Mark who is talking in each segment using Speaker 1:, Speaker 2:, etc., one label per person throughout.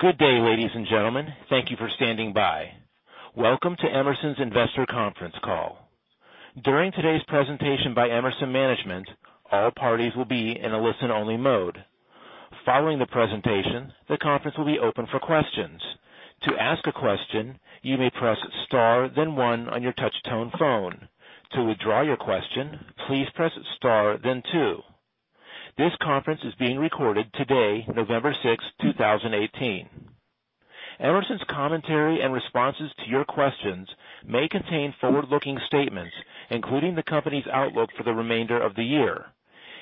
Speaker 1: Good day, ladies and gentlemen. Thank you for standing by. Welcome to Emerson's Investor Conference Call. During today's presentation by Emerson management, all parties will be in a listen-only mode. Following the presentation, the conference will be open for questions. To ask a question, you may press star, then one on your touchtone phone. To withdraw your question, please press star then two. This conference is being recorded today, November sixth, 2018. Emerson's commentary and responses to your questions may contain forward-looking statements, including the company's outlook for the remainder of the year.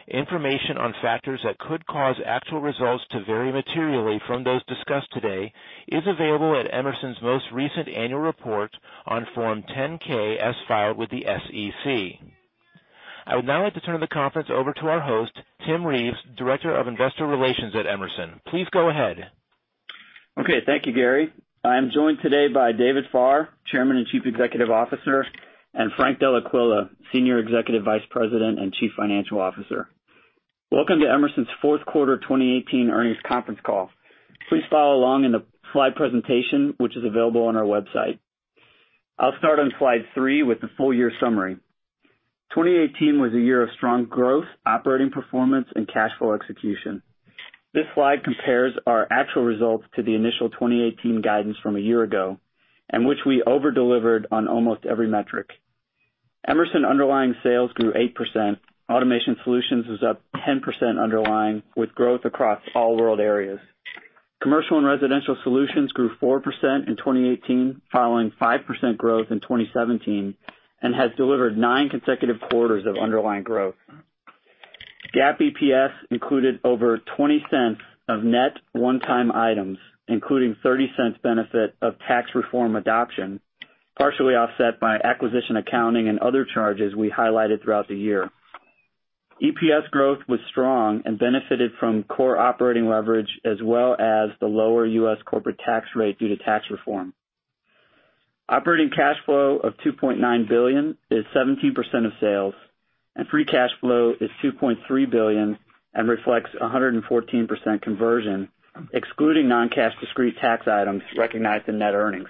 Speaker 1: Information on factors that could cause actual results to vary materially from those discussed today is available at Emerson's most recent annual report on Form 10-K as filed with the SEC. I would now like to turn the conference over to our host, Tim Reeves, Director of Investor Relations at Emerson. Please go ahead.
Speaker 2: Okay. Thank you, Gary. I am joined today by David Farr, Chairman and Chief Executive Officer, and Frank Dellaquila, Senior Executive Vice President and Chief Financial Officer. Welcome to Emerson's fourth quarter 2018 earnings conference call. Please follow along in the slide presentation, which is available on our website. I'll start on slide three with the full year summary. 2018 was a year of strong growth, operating performance, and cash flow execution. This slide compares our actual results to the initial 2018 guidance from a year ago, which we over-delivered on almost every metric. Emerson underlying sales grew 8%. Automation Solutions is up 10% underlying, with growth across all world areas. Commercial & Residential Solutions grew 4% in 2018, following 5% growth in 2017, and has delivered nine consecutive quarters of underlying growth. GAAP EPS included over $0.20 of net one-time items, including $0.30 benefit of tax reform adoption, partially offset by acquisition accounting and other charges we highlighted throughout the year. EPS growth was strong and benefited from core operating leverage as well as the lower U.S. corporate tax rate due to tax reform. Operating cash flow of $2.9 billion is 17% of sales, and free cash flow is $2.3 billion and reflects 114% conversion, excluding non-cash discrete tax items recognized in net earnings.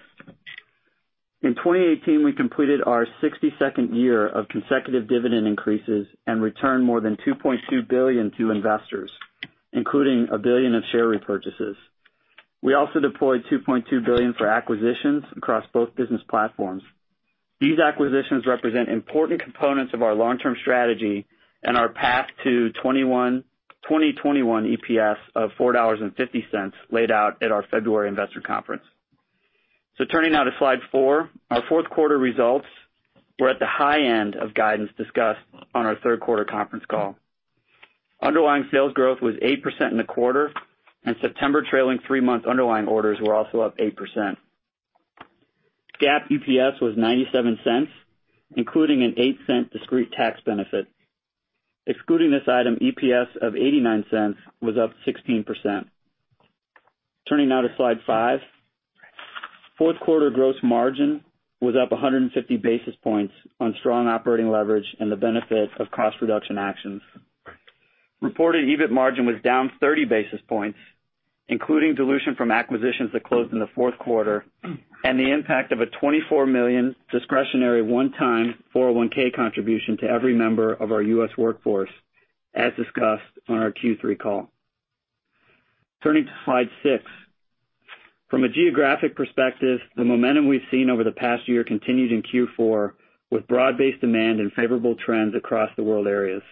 Speaker 2: In 2018, we completed our 62nd year of consecutive dividend increases and returned more than $2.2 billion to investors, including $1 billion of share repurchases. We also deployed $2.2 billion for acquisitions across both business platforms. These acquisitions represent important components of our long-term strategy and our path to 2021 EPS of $4.50 laid out at our February investor conference. Turning now to slide four. Our fourth quarter results were at the high end of guidance discussed on our third quarter conference call. Underlying sales growth was 8% in the quarter, and September trailing three-month underlying orders were also up 8%. GAAP EPS was $0.97, including an $0.08 discrete tax benefit. Excluding this item, EPS of $0.89 was up 16%. Turning now to slide five. Fourth quarter gross margin was up 150 basis points on strong operating leverage and the benefit of cost reduction actions. Reported EBIT margin was down 30 basis points, including dilution from acquisitions that closed in the fourth quarter and the impact of a $24 million discretionary one-time 401(k) contribution to every member of our U.S. workforce, as discussed on our Q3 call. Turning to slide six. From a geographic perspective, the momentum we've seen over the past year continued in Q4, with broad-based demand and favorable trends across the world areas.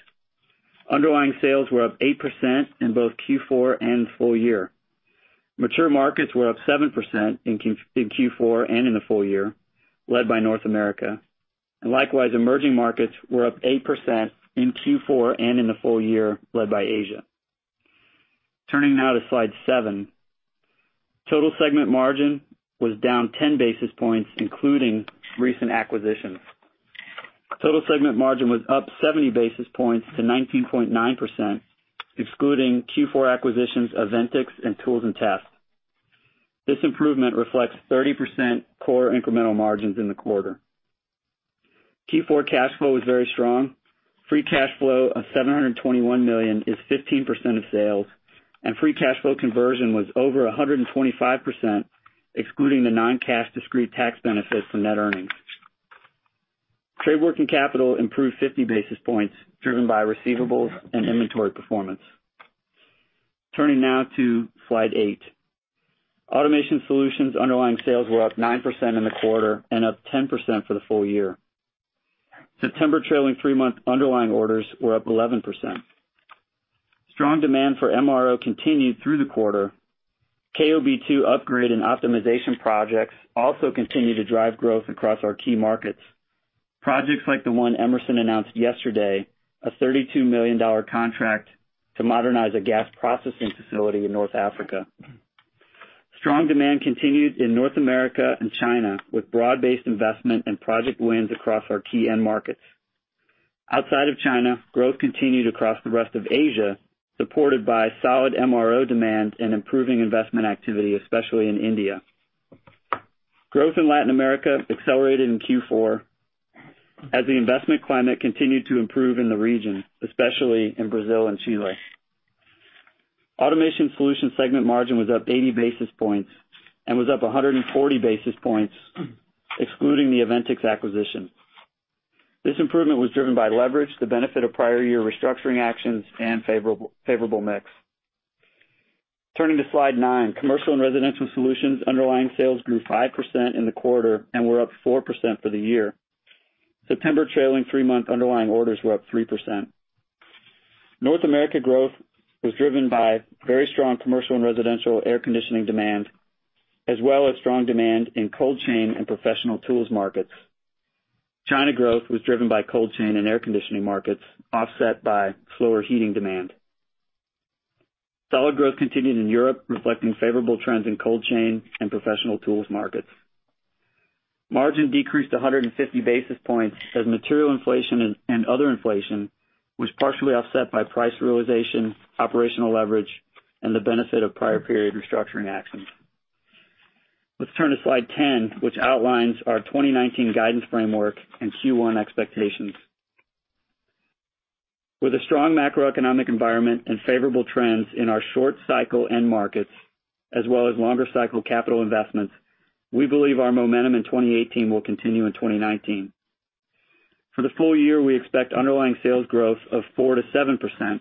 Speaker 2: Underlying sales were up 8% in both Q4 and full year. Mature markets were up 7% in Q4 and in the full year, led by North America. Likewise, emerging markets were up 8% in Q4 and in the full year, led by Asia. Turning now to slide seven. Total segment margin was down 10 basis points, including recent acquisitions. Total segment margin was up 70 basis points to 19.9%, excluding Q4 acquisitions of Aventics and Tools & Test. This improvement reflects 30% core incremental margins in the quarter. Q4 cash flow was very strong. Free cash flow of $721 million is 15% of sales, and free cash flow conversion was over 125%, excluding the non-cash discrete tax benefit from net earnings. Trade working capital improved 50 basis points, driven by receivables and inventory performance. Turning now to slide eight. Automation Solutions underlying sales were up 9% in the quarter and up 10% for the full year. September trailing three-month underlying orders were up 11%. Strong demand for MRO continued through the quarter. KOB2 upgrade and optimization projects also continue to drive growth across our key markets. Projects like the one Emerson announced yesterday, a $32 million contract to modernize a gas processing facility in North Africa. Strong demand continued in North America and China, with broad-based investment and project wins across our key end markets. Outside of China, growth continued across the rest of Asia, supported by solid MRO demand and improving investment activity, especially in India. Growth in Latin America accelerated in Q4 as the investment climate continued to improve in the region, especially in Brazil and Chile. Automation Solutions segment margin was up 80 basis points and was up 140 basis points excluding the Aventics acquisition. This improvement was driven by leverage, the benefit of prior year restructuring actions, and favorable mix. Turning to slide nine. Commercial & Residential Solutions underlying sales grew 5% in the quarter and were up 4% for the year. September trailing three-month underlying orders were up 3%. North America growth was driven by very strong commercial and residential air conditioning demand, as well as strong demand in cold chain and professional tools markets. China growth was driven by cold chain and air conditioning markets, offset by slower heating demand. Solid growth continued in Europe, reflecting favorable trends in cold chain and professional tools markets. Margin decreased 150 basis points as material inflation and other inflation was partially offset by price realization, operational leverage, and the benefit of prior period restructuring actions. Let's turn to slide 10, which outlines our 2019 guidance framework and Q1 expectations. With a strong macroeconomic environment and favorable trends in our short cycle end markets, as well as longer cycle capital investments, we believe our momentum in 2018 will continue in 2019. For the full year, we expect underlying sales growth of 4%-7%,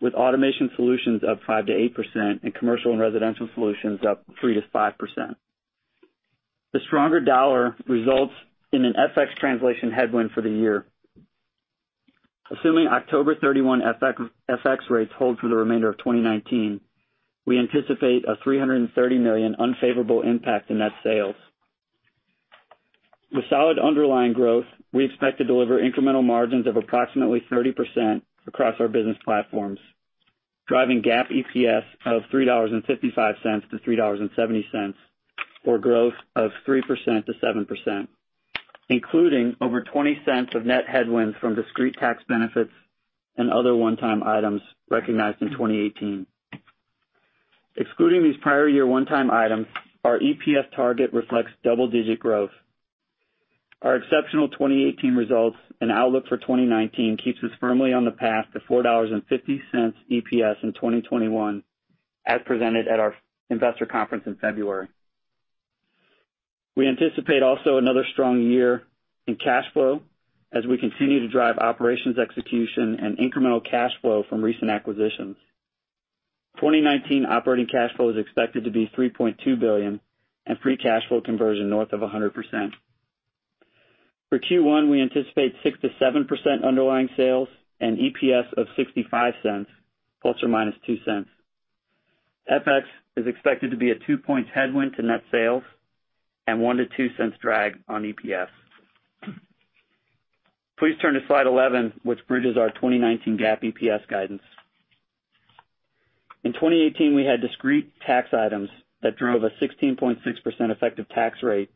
Speaker 2: with Automation Solutions up 5%-8% and Commercial & Residential Solutions up 3%-5%. The stronger dollar results in an FX translation headwind for the year. Assuming October 31 FX rates hold for the remainder of 2019, we anticipate a $330 million unfavorable impact in net sales. With solid underlying growth, we expect to deliver incremental margins of approximately 30% across our business platforms, driving GAAP EPS of $3.55-$3.70, or growth of 3%-7%, including over $0.20 of net headwinds from discrete tax benefits and other one-time items recognized in 2018. Excluding these prior year one-time items, our EPS target reflects double-digit growth. Our exceptional 2018 results and outlook for 2019 keeps us firmly on the path to $4.50 EPS in 2021, as presented at our investor conference in February. We anticipate also another strong year in cash flow as we continue to drive operations execution and incremental cash flow from recent acquisitions. 2019 operating cash flow is expected to be $3.2 billion, and free cash flow conversion north of 100%. For Q1, we anticipate 6%-7% underlying sales and EPS of $0.65 ±$0.02. FX is expected to be a two-point headwind to net sales and $0.01-$0.02 drag on EPS. Please turn to slide 11, which bridges our 2019 GAAP EPS guidance. In 2018, we had discrete tax items that drove a 16.6% effective tax rate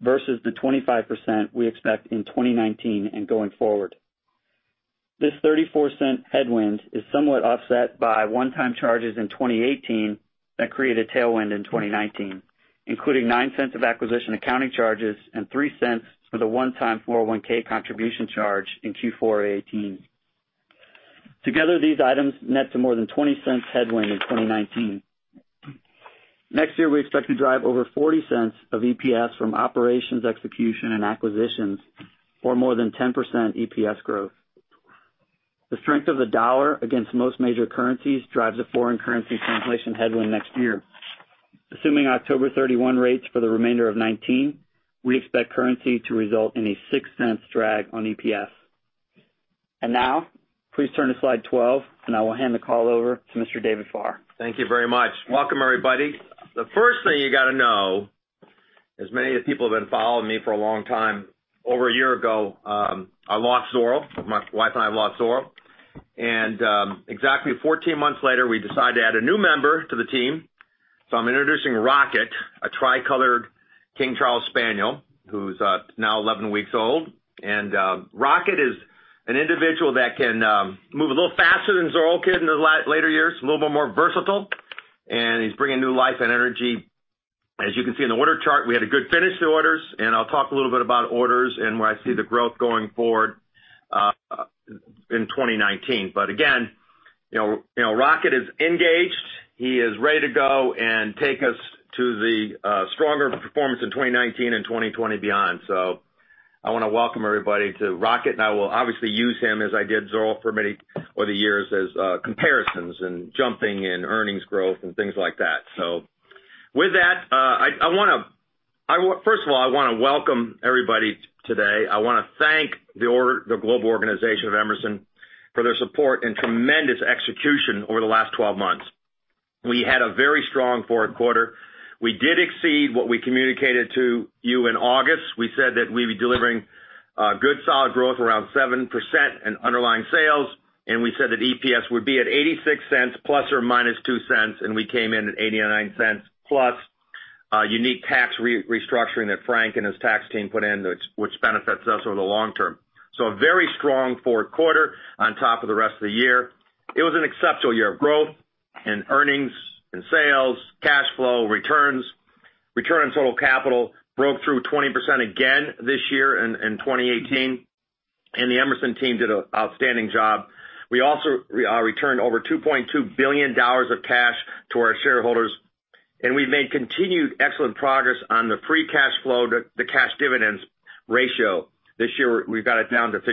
Speaker 2: versus the 25% we expect in 2019 and going forward. This $0.34 headwind is somewhat offset by one-time charges in 2018 that create a tailwind in 2019, including $0.09 of acquisition accounting charges and $0.03 for the one-time 401(k) contribution charge in Q4 2018. Together, these items net to more than $0.20 headwind in 2019. Next year, we expect to drive over $0.40 of EPS from operations execution and acquisitions, or more than 10% EPS growth. The strength of the dollar against most major currencies drives a foreign currency translation headwind next year. Assuming October 31 rates for the remainder of 2019, we expect currency to result in a $0.06 drag on EPS. Now, please turn to slide 12, and I will hand the call over to Mr. David Farr.
Speaker 3: Thank you very much. Welcome, everybody. The first thing you got to know, as many of the people who have been following me for a long time, over a year ago, I lost Zorro. My wife and I lost Zorro. Exactly 14 months later, we decided to add a new member to the team. I'm introducing Rocket, a tri-colored King Charles Spaniel, who's now 11 weeks old. Rocket is an individual that can move a little faster than Zorro could in the later years, a little bit more versatile, and he's bringing new life and energy. As you can see in the order chart, we had a good finish to orders, and I'll talk a little bit about orders and where I see the growth going forward in 2019. Again, Rocket is engaged. He is ready to go and take us to the stronger performance in 2019 and 2020 beyond. I want to welcome everybody to Rocket, and I will obviously use him as I did Zorro for many of the years as comparisons and jumping and earnings growth and things like that. With that, first of all, I want to welcome everybody today. I want to thank the global organization of Emerson for their support and tremendous execution over the last 12 months. We had a very strong fourth quarter. We did exceed what we communicated to you in August. We said that we'd be delivering good solid growth around 7% in underlying sales, we said that EPS would be at $0.86 ± $0.02, and we came in at $0.89 plus a unique tax restructuring that Frank and his tax team put in, which benefits us over the long term. A very strong fourth quarter on top of the rest of the year. It was an exceptional year of growth in earnings, in sales, cash flow, returns. Return on total capital broke through 20% again this year in 2018, the Emerson team did an outstanding job. We also returned over $2.2 billion of cash to our shareholders, we've made continued excellent progress on the free cash flow to the cash dividends ratio. This year, we've got it down to 54%,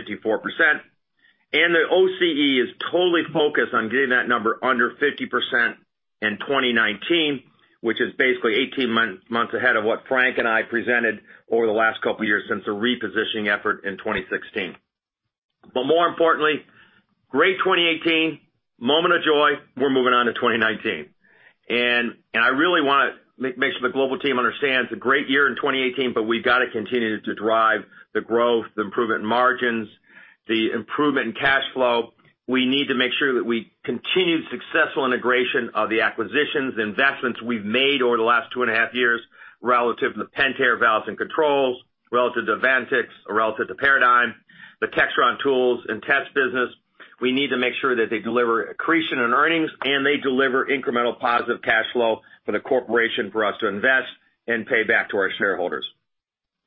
Speaker 3: the OCE is totally focused on getting that number under 50% in 2019, which is basically 18 months ahead of what Frank and I presented over the last couple of years since the repositioning effort in 2016. More importantly, great 2018, moment of joy, we're moving on to 2019. I really want to make sure the global team understands, a great year in 2018, we've got to continue to drive the growth, the improvement in margins, the improvement in cash flow. We need to make sure that we continue successful integration of the acquisitions and investments we've made over the last two and a half years relative to the Pentair valves and controls, relative to Aventics, relative to Paradigm, the Textron Tools & Test business. We need to make sure that they deliver accretion and earnings, they deliver incremental positive cash flow for the corporation for us to invest and pay back to our shareholders.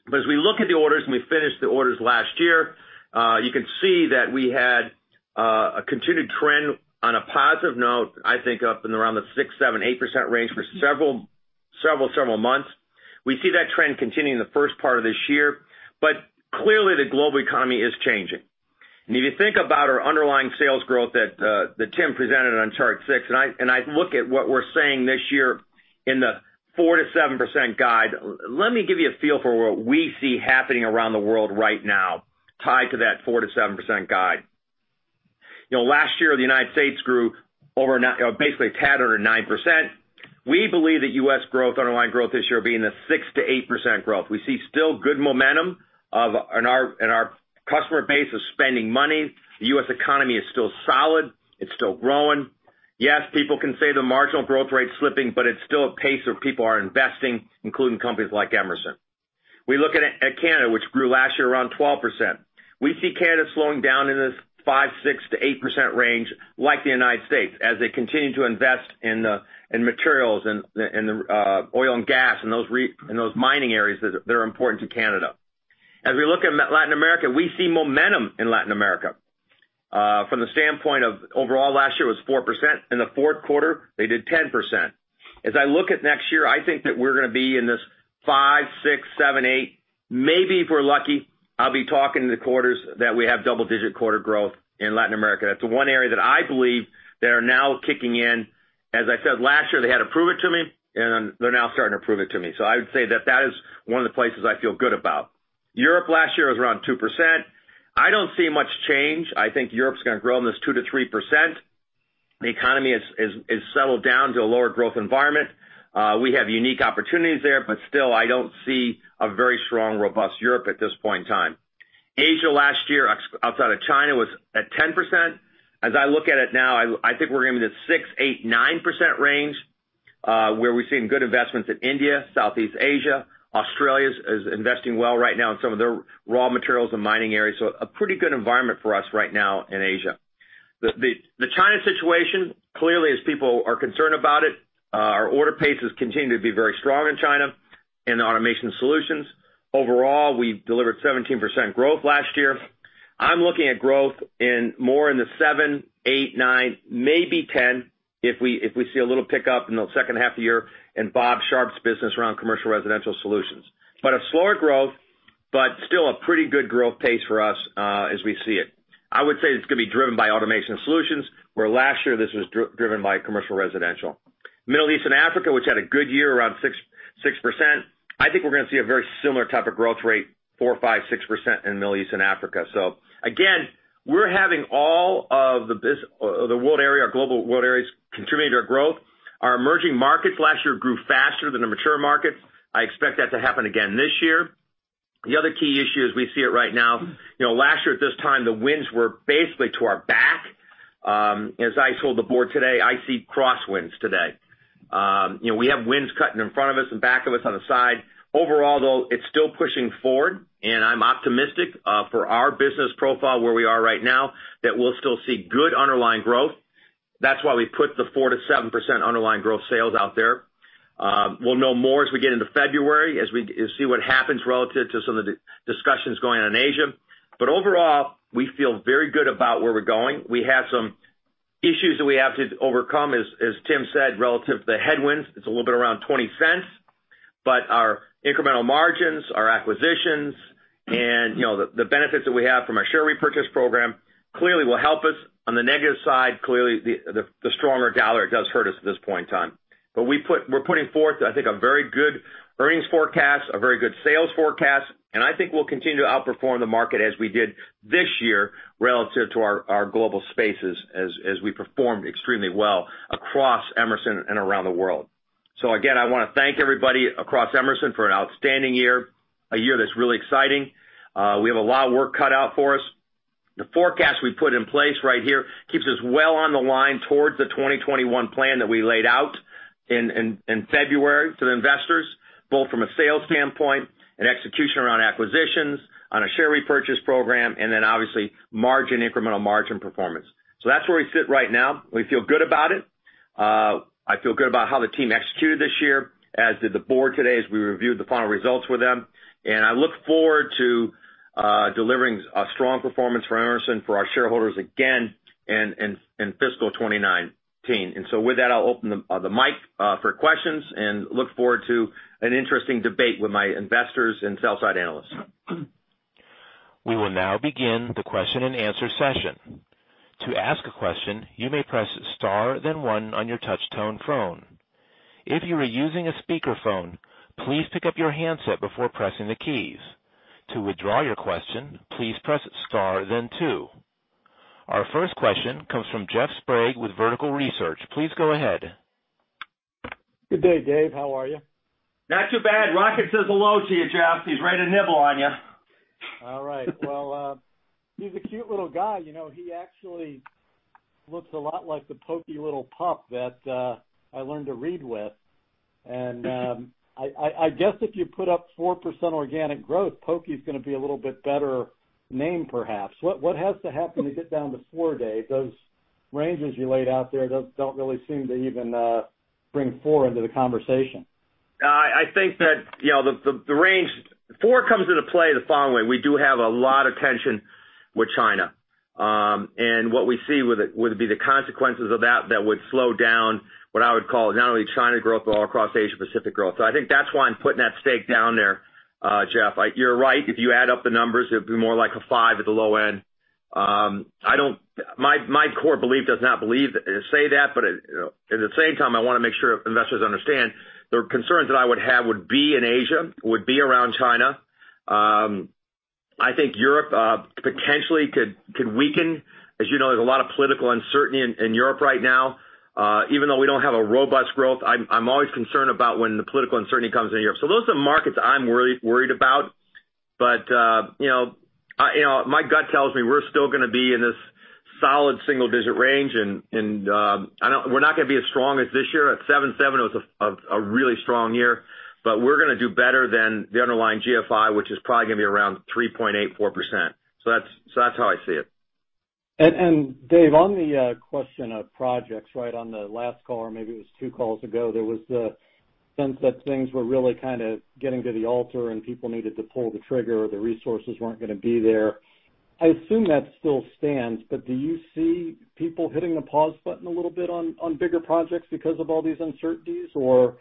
Speaker 3: As we look at the orders, we finished the orders last year, you can see that we had a continued trend on a positive note, I think up and around the 6%, 7%, 8% range for several months. We see that trend continuing the first part of this year. Clearly the global economy is changing. If you think about our underlying sales growth that Tim presented on chart six, I look at what we're saying this year in the 4%-7% guide, let me give you a feel for what we see happening around the world right now, tied to that 4%-7% guide. Last year, the U.S. grew basically a tad under 9%. We believe that U.S. growth, underlying growth this year, being the 6%-8% growth. We see still good momentum. Our customer base is spending money. The U.S. economy is still solid. It's still growing. People can say the marginal growth rate is slipping, but it's still a pace where people are investing, including companies like Emerson. We look at Canada, which grew last year around 12%. We see Canada slowing down in the 5%, 6%-8% range like the U.S. as they continue to invest in materials and oil and gas and those mining areas that are important to Canada. We look at Latin America, we see momentum in Latin America. From the standpoint of overall, last year was 4%. In the fourth quarter, they did 10%. I look at next year, I think that we're going to be in this five, six, seven, eight, maybe if we're lucky, I'll be talking in the quarters that we have double-digit quarter growth in Latin America. That's the one area that I believe they are now kicking in. I said, last year, they had to prove it to me. They're now starting to prove it to me. I would say that that is one of the places I feel good about. Europe last year was around 2%. I don't see much change. I think Europe's going to grow in this 2%-3%. The economy has settled down to a lower growth environment. We have unique opportunities there. Still, I don't see a very strong, robust Europe at this point in time. Asia last year, outside of China, was at 10%. I look at it now, I think we're going to be in the 6%, 8%, 9% range, where we've seen good investments in India, Southeast Asia. Australia is investing well right now in some of their raw materials and mining areas. A pretty good environment for us right now in Asia. The China situation, clearly, as people are concerned about it, our order paces continue to be very strong in China in Automation Solutions. Overall, we've delivered 17% growth last year. I'm looking at growth more in the seven, eight, nine, maybe 10, if we see a little pickup in the second half of the year in Bob Sharp's business around Commercial & Residential Solutions. A slower growth, but still a pretty good growth pace for us as we see it. I would say it's going to be driven by Automation Solutions, where last year this was driven by Commercial & Residential. Middle East and Africa, which had a good year, around 6%. I think we're going to see a very similar type of growth rate, 4%, 5%, 6% in the Middle East and Africa. Again, we're having all of our global world areas contributing to our growth. Our emerging markets last year grew faster than the mature markets. I expect that to happen again this year. The other key issue, as we see it right now, last year at this time, the winds were basically to our back. I told the board today, I see crosswinds today. We have winds cutting in front of us and back of us on the side. Overall, though, it's still pushing forward, and I'm optimistic for our business profile where we are right now that we'll still see good underlying growth. That's why we put the 4%-7% underlying growth sales out there. We'll know more as we get into February, as we see what happens relative to some of the discussions going on in Asia. Overall, we feel very good about where we're going. We have some issues that we have to overcome, as Tim said, relative to the headwinds. It's a little bit around $0.20. Our incremental margins, our acquisitions, and the benefits that we have from our share repurchase program clearly will help us. On the negative side, clearly, the stronger U.S. dollar does hurt us at this point in time. We're putting forth, I think, a very good earnings forecast, a very good sales forecast, and I think we'll continue to outperform the market as we did this year relative to our global spaces as we performed extremely well across Emerson and around the world. Again, I want to thank everybody across Emerson for an outstanding year, a year that's really exciting. We have a lot of work cut out for us. The forecast we put in place right here keeps us well on the line towards the 2021 plan that we laid out in February to the investors, both from a sales standpoint and execution around acquisitions, on a share repurchase program, and then obviously, incremental margin performance. That's where we sit right now. We feel good about it. I feel good about how the team executed this year, as did the board today, as we reviewed the final results with them. I look forward to delivering a strong performance for Emerson, for our shareholders again in fiscal 2019. With that, I'll open the mic for questions and look forward to an interesting debate with my investors and sell-side analysts.
Speaker 1: We will now begin the question and answer session. To ask a question, you may press star then one on your touch-tone phone. If you are using a speakerphone, please pick up your handset before pressing the keys. To withdraw your question, please press star then two. Our first question comes from Jeff Sprague with Vertical Research. Please go ahead.
Speaker 4: Good day, Dave. How are you?
Speaker 3: Not too bad. Rocket says hello to you, Jeff. He's ready to nibble on you.
Speaker 4: Well, he's a cute little guy. He actually looks a lot like The Poky Little Puppy that I learned to read with. I guess if you put up 4% organic growth, Poky's going to be a little bit better name, perhaps. What has to happen to get down to 4%, Dave? Those ranges you laid out there don't really seem to even bring 4% into the conversation.
Speaker 3: I think that 4% comes into play the following way. We do have a lot of tension with China. What we see would be the consequences of that would slow down what I would call not only China growth, but all across Asia Pacific growth. I think that's why I'm putting that stake down there, Jeff. You're right. If you add up the numbers, it'd be more like a five at the low end. My core belief does not say that, but at the same time, I want to make sure investors understand the concerns that I would have would be in Asia, would be around China. I think Europe potentially could weaken. As you know, there's a lot of political uncertainty in Europe right now. Even though we don't have a robust growth, I'm always concerned about when the political uncertainty comes in Europe. Those are the markets I'm worried about. My gut tells me we're still gonna be in this solid single-digit range, and we're not gonna be as strong as this year. At 7.7%, it was a really strong year. We're gonna do better than the underlying GFI, which is probably gonna be around 3.8%, 4%. That's how I see it.
Speaker 4: Dave, on the question of projects, right? On the last call, or maybe it was two calls ago, there was a sense that things were really kind of getting to the altar and people needed to pull the trigger, or the resources weren't going to be there. I assume that still stands. Do you see people hitting the pause button a little bit on bigger projects because of all these uncertainties? Do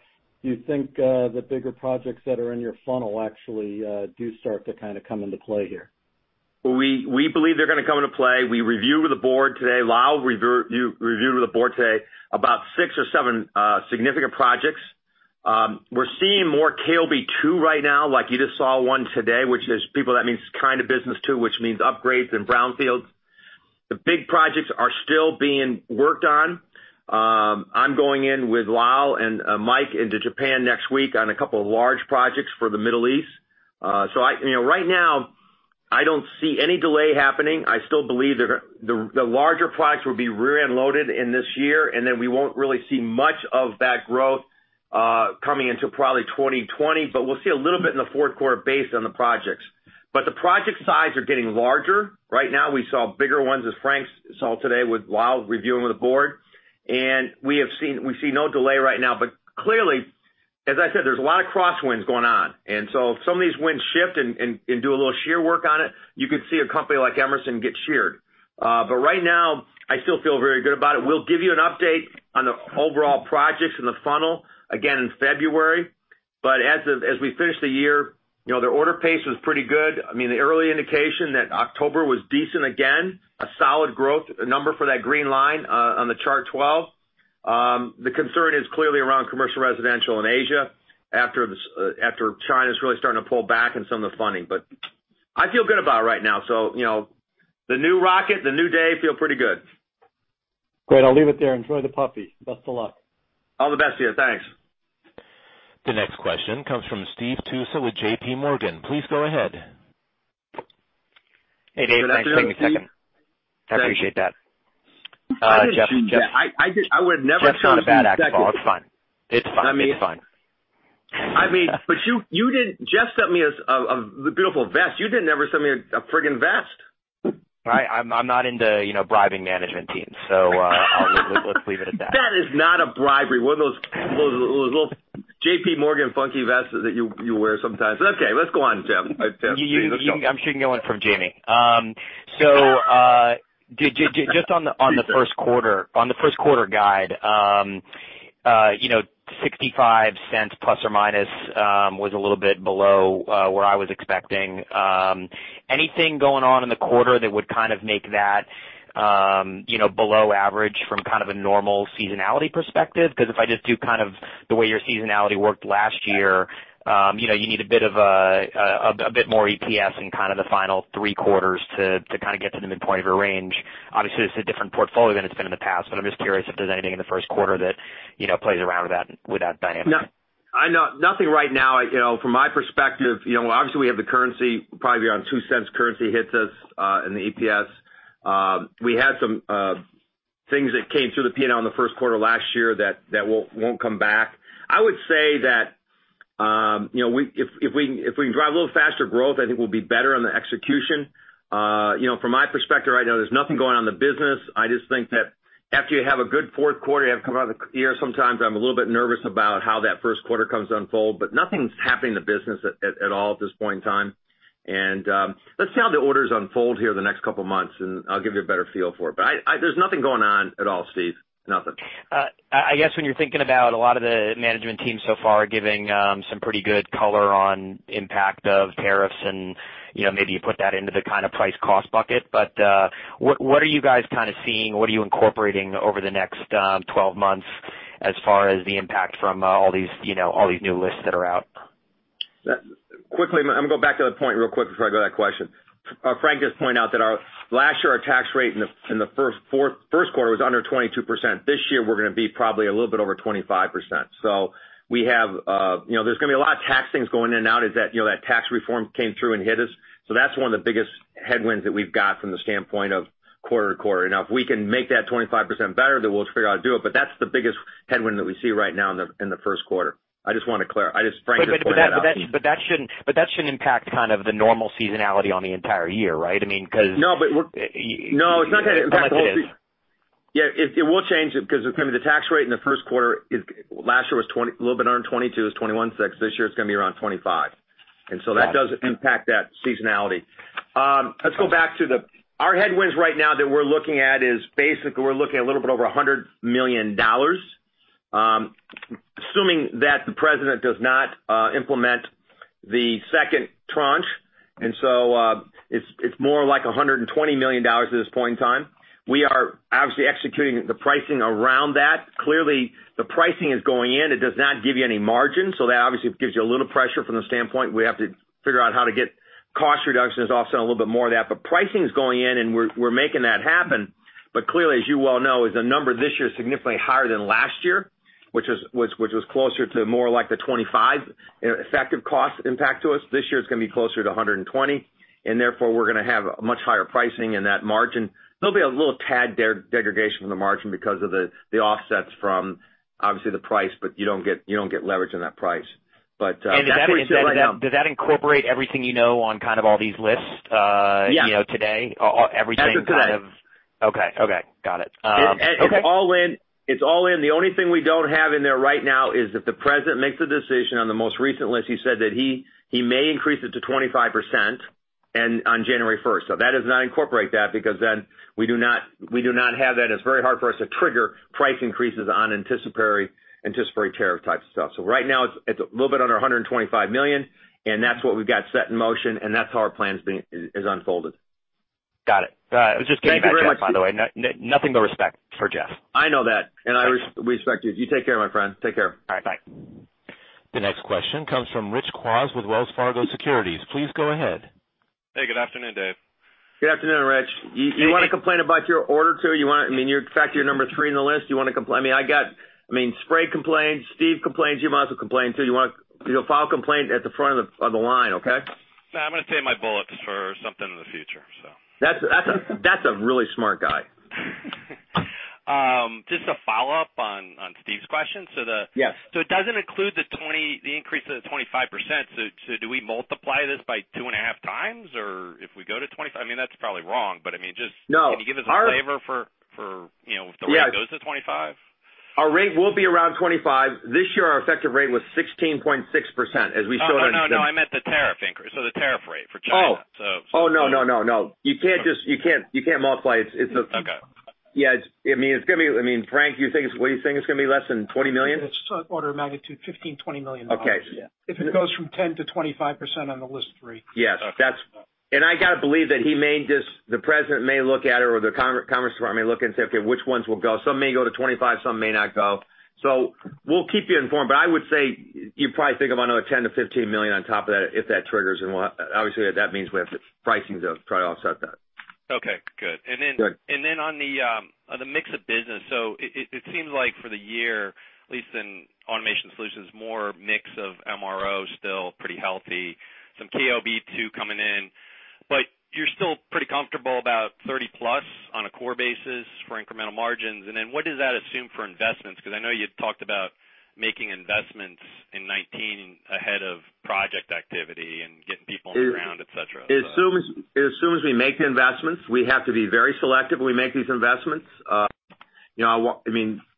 Speaker 4: you think the bigger projects that are in your funnel actually do start to kind of come into play here?
Speaker 3: We believe they're going to come into play. We reviewed with the board today. Lal reviewed with the board today about six or seven significant projects. We're seeing more KOB 2 right now, like you just saw one today, which is people that means kind of business two, which means upgrades in brownfields. The big projects are still being worked on. I'm going in with Lal and Mike into Japan next week on a couple of large projects for the Middle East. Right now, I don't see any delay happening. I still believe the larger projects will be rear-end loaded in this year. We won't really see much of that growth coming until probably 2020. We'll see a little bit in the fourth quarter based on the projects. The project size are getting larger. Right now, we saw bigger ones, as Frank saw today with Lal reviewing with the board. We see no delay right now. Clearly, as I said, there's a lot of crosswinds going on. If some of these winds shift and do a little sheer work on it, you could see a company like Emerson get sheared. Right now, I still feel very good about it. We'll give you an update on the overall projects in the funnel again in February. As we finish the year, their order pace was pretty good. The early indication that October was decent, again, a solid growth number for that green line on the chart 12. The concern is clearly around Commercial Residential in Asia after China's really starting to pull back in some of the funding. I feel good about it right now. The new Rocket, the new day feel pretty good.
Speaker 4: Great. I'll leave it there. Enjoy the puppy. Best of luck.
Speaker 3: All the best to you. Thanks.
Speaker 1: The next question comes from Steve Tusa with JPMorgan. Please go ahead.
Speaker 5: Hey, Dave. Thanks for taking a second.
Speaker 3: Thanks.
Speaker 5: I appreciate that. Jeff-
Speaker 3: I would never send a second.
Speaker 5: Jeff's not a bad actor at all. It's fine.
Speaker 3: You didn't just send me a beautiful vest. You didn't ever send me a freaking vest.
Speaker 5: I'm not into bribing management teams. Let's leave it at that.
Speaker 3: That is not a bribery. One of those little JPMorgan funky vests that you wear sometimes. Okay, let's go on, Jeff.
Speaker 5: I'm shooting one from Jamie. Just on the first quarter guide, $0.65 ± was a little bit below where I was expecting. Anything going on in the quarter that would kind of make that below average from kind of a normal seasonality perspective? If I just do kind of the way your seasonality worked last year, you need a bit more EPS in kind of the final three quarters to kind of get to the midpoint of a range. This is a different portfolio than it's been in the past, but I'm just curious if there's anything in the first quarter that plays around with that dynamic.
Speaker 3: I know nothing right now. From my perspective, obviously we have the currency probably be around $0.02 currency hits us in the EPS. We had some things that came through the P&L in the first quarter last year that won't come back. I would say that if we can drive a little faster growth, I think we'll be better on the execution. From my perspective, right now there's nothing going on in the business. I just think that after you have a good fourth quarter, you have to come out of the year sometimes I'm a little bit nervous about how that first quarter comes to unfold. Nothing's happening in the business at all at this point in time. Let's see how the orders unfold here the next couple of months, and I'll give you a better feel for it. There's nothing going on at all, Steve. Nothing.
Speaker 5: I guess when you're thinking about a lot of the management team so far giving some pretty good color on impact of tariffs and maybe you put that into the kind of price cost bucket, but what are you guys kind of seeing? What are you incorporating over the next 12 months as far as the impact from all these new lists that are out?
Speaker 3: Quickly, I'm going to go back to that point real quick before I go to that question. Frank just pointed out that last year our tax rate in the first quarter was under 22%. This year, we're going to be probably a little bit over 25%. There's going to be a lot of tax things going in and out as that tax reform came through and hit us. That's one of the biggest headwinds that we've got from the standpoint of quarter to quarter. Now, if we can make that 25% better, then we'll figure out how to do it. That's the biggest headwind that we see right now in the first quarter. I just want to clarify. Frank just pointed that out.
Speaker 5: That shouldn't impact kind of the normal seasonality on the entire year, right?
Speaker 3: No, it's not going to impact the whole year.
Speaker 5: Unless it is.
Speaker 3: Yeah, it will change it because the tax rate in the first quarter last year was a little bit under 22, it was 21.6. This year it's going to be around 25. So that does impact that seasonality. Our headwinds right now that we're looking at is basically, we're looking at a little bit over $100 million. Assuming that the president does not implement the second tranche, so it's more like $120 million at this point in time. We are obviously executing the pricing around that. Clearly, the pricing is going in. It does not give you any margin, so that obviously gives you a little pressure from the standpoint we have to figure out how to get cost reductions, offset a little bit more of that. Pricing is going in and we're making that happen. Clearly, as you well know, is the number this year is significantly higher than last year, which was closer to more like the 25 effective cost impact to us. This year it's going to be closer to 120, and therefore we're going to have much higher pricing in that margin. There'll be a little tad degradation from the margin because of the offsets from obviously the price, but you don't get leverage in that price. That's where it's at right now.
Speaker 5: Does that incorporate everything you know on kind of all these lists?
Speaker 3: Yeah.
Speaker 5: Today?
Speaker 3: As of today.
Speaker 5: Okay. Got it.
Speaker 3: It's all in. The only thing we don't have in there right now is if the president makes a decision on the most recent list, he said that he may increase it to 25% on January 1st. That does not incorporate that because then we do not have that. It's very hard for us to trigger price increases on anticipatory tariff type stuff. Right now it's a little bit under $125 million, and that's what we've got set in motion, and that's how our plan is unfolded.
Speaker 5: Got it.
Speaker 3: Thank you very much.
Speaker 5: Just giving you that chance, by the way. Nothing but respect for Jeff.
Speaker 3: I know that. I respect you. You take care, my friend. Take care.
Speaker 5: All right, bye.
Speaker 1: The next question comes from Rich Kwas with Wells Fargo Securities. Please go ahead.
Speaker 6: Hey, good afternoon, Dave.
Speaker 3: Good afternoon, Rich. You want to complain about your order too? In fact, you're number three on the list. You want to complain? I mean, Sprague complained, Steve complained, you might as well complain too. You'll file a complaint at the front of the line, okay?
Speaker 6: No, I'm going to save my bullets for something in the future.
Speaker 3: That's a really smart guy.
Speaker 6: Just a follow-up on Steve's question.
Speaker 3: Yes.
Speaker 6: It doesn't include the increase of the 25%. Do we multiply this by 2.5 times? If we go to 25, I mean, that's probably wrong, but I mean.
Speaker 3: No.
Speaker 6: Can you give us a flavor for if the rate goes to 25?
Speaker 3: Our rate will be around 25. This year, our effective rate was 16.6% as we showed.
Speaker 6: Oh, no, I meant the tariff increase. The tariff rate for China.
Speaker 3: Oh, no. You can't multiply it.
Speaker 6: Okay.
Speaker 3: Yeah. I mean, Frank, what are you saying? It's going to be less than $20 million?
Speaker 7: It's order of magnitude $15 million-$20 million.
Speaker 3: Okay.
Speaker 7: If it goes from 10%-25% on the list three.
Speaker 3: Yes. I got to believe that the president may look at it, or the Congress department may look and say, "Okay, which ones will go?" Some may go to 25%, some may not go. We'll keep you informed, but I would say you probably think of another $10 million-$15 million on top of that if that triggers. Obviously, that means we have the pricing to try to offset that.
Speaker 6: Okay, good.
Speaker 3: Good.
Speaker 6: On the mix of business, it seems like for the year, at least in Automation Solutions, more mix of MRO is still pretty healthy. Some KOB 2 coming in. You're still pretty comfortable about 30%+ on a core basis for incremental margins. What does that assume for investments? Because I know you had talked about making investments in 2019 ahead of project activity and getting people on the ground, et cetera.
Speaker 3: As soon as we make the investments, we have to be very selective when we make these investments.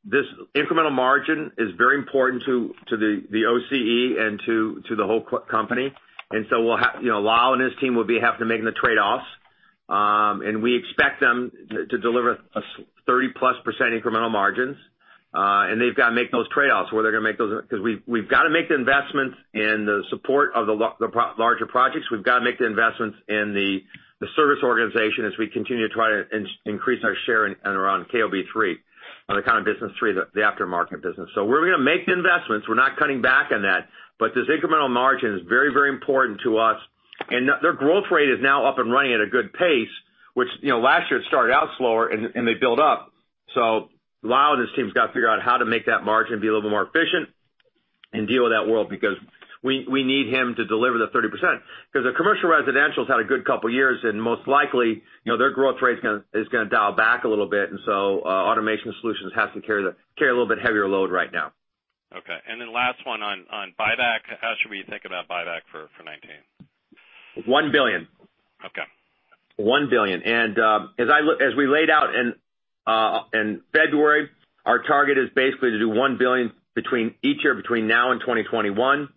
Speaker 3: This incremental margin is very important to the OCE and to the whole company. Lal and his team will have to make the trade-offs. We expect them to deliver a 30%+ incremental margins. They've got to make those trade-offs because we've got to make the investments in the support of the larger projects. We've got to make the investments in the service organization as we continue to try to increase our share in and around KOB 3, on the kind of business 3, the aftermarket business. We're going to make the investments. We're not cutting back on that. This incremental margin is very, very important to us. Their growth rate is now up and running at a good pace, which last year it started out slower, and they built up. So Lyle and his team's got to figure out how to make that margin be a little more efficient and deal with that world, because we need him to deliver the 30%. The Commercial & Residential's had a good couple years, and most likely, their growth rate is going to dial back a little bit. Automation Solutions has to carry a little bit heavier load right now.
Speaker 6: Okay. Last one on buyback. How should we think about buyback for 2019?
Speaker 3: $1 billion.
Speaker 6: Okay.
Speaker 3: $1 billion. As we laid out in February, our target is basically to do $1 billion each year between now and 2021.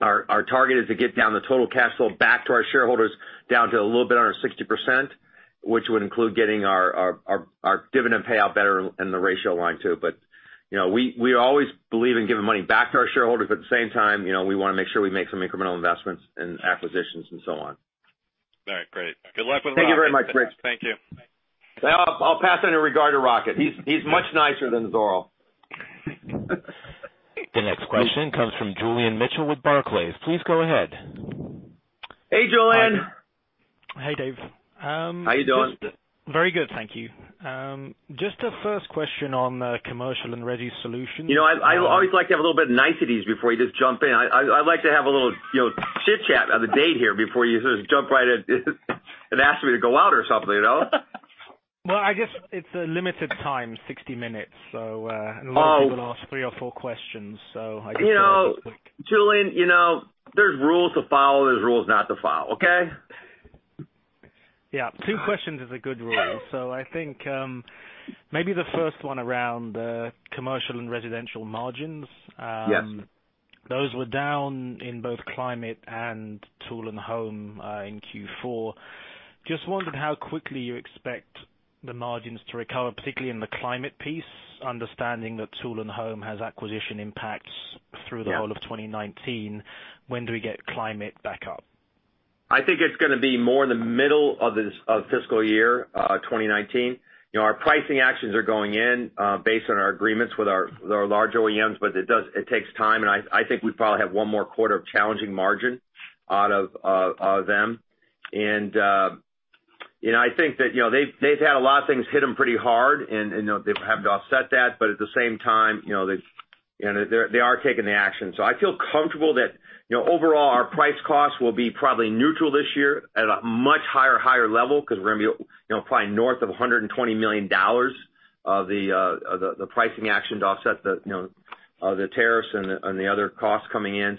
Speaker 3: Our target is to get down the total cash flow back to our shareholders, down to a little bit under 60%, which would include getting our dividend payout better in the ratio line too. We always believe in giving money back to our shareholders, but at the same time, we want to make sure we make some incremental investments in acquisitions and so on.
Speaker 6: All right, great. Good luck with Rocket.
Speaker 3: Thank you very much, Rich.
Speaker 6: Thank you.
Speaker 3: I'll pass that in regard to Rocket. He's much nicer than Zorro.
Speaker 1: The next question comes from Julian Mitchell with Barclays. Please go ahead.
Speaker 3: Hey, Julian.
Speaker 8: Hi. Hey, Dave.
Speaker 3: How are you doing?
Speaker 8: Very good, thank you. Just a first question on the Commercial and resi solutions.
Speaker 3: I always like to have a little bit of niceties before you just jump in. I like to have a little chit-chat on the date here before you just jump right in and ask me to go out or something.
Speaker 8: Well, I guess it's a limited time, 60 minutes.
Speaker 3: Oh.
Speaker 8: A lot of people ask three or four questions.
Speaker 3: Julian, there's rules to follow, there's rules not to follow. Okay?
Speaker 8: Yeah. Two questions is a good rule. I think, maybe the first one around Commercial and Residential margins.
Speaker 3: Yes.
Speaker 8: Those were down in both climate and Tools & Test in Q4. Just wondered how quickly you expect the margins to recover, particularly in the climate piece, understanding that Tools & Test has acquisition impacts through the whole of 2019. When do we get climate back up?
Speaker 3: I think it's going to be more in the middle of fiscal year 2019. Our pricing actions are going in, based on our agreements with our large OEMs, but it takes time, and I think we probably have one more quarter of challenging margin out of them. I think that they've had a lot of things hit them pretty hard and they've had to offset that. At the same time, they are taking the action. I feel comfortable that overall our price costs will be probably neutral this year at a much higher level because we're going to be applying north of $120 million of the pricing action to offset the tariffs and the other costs coming in.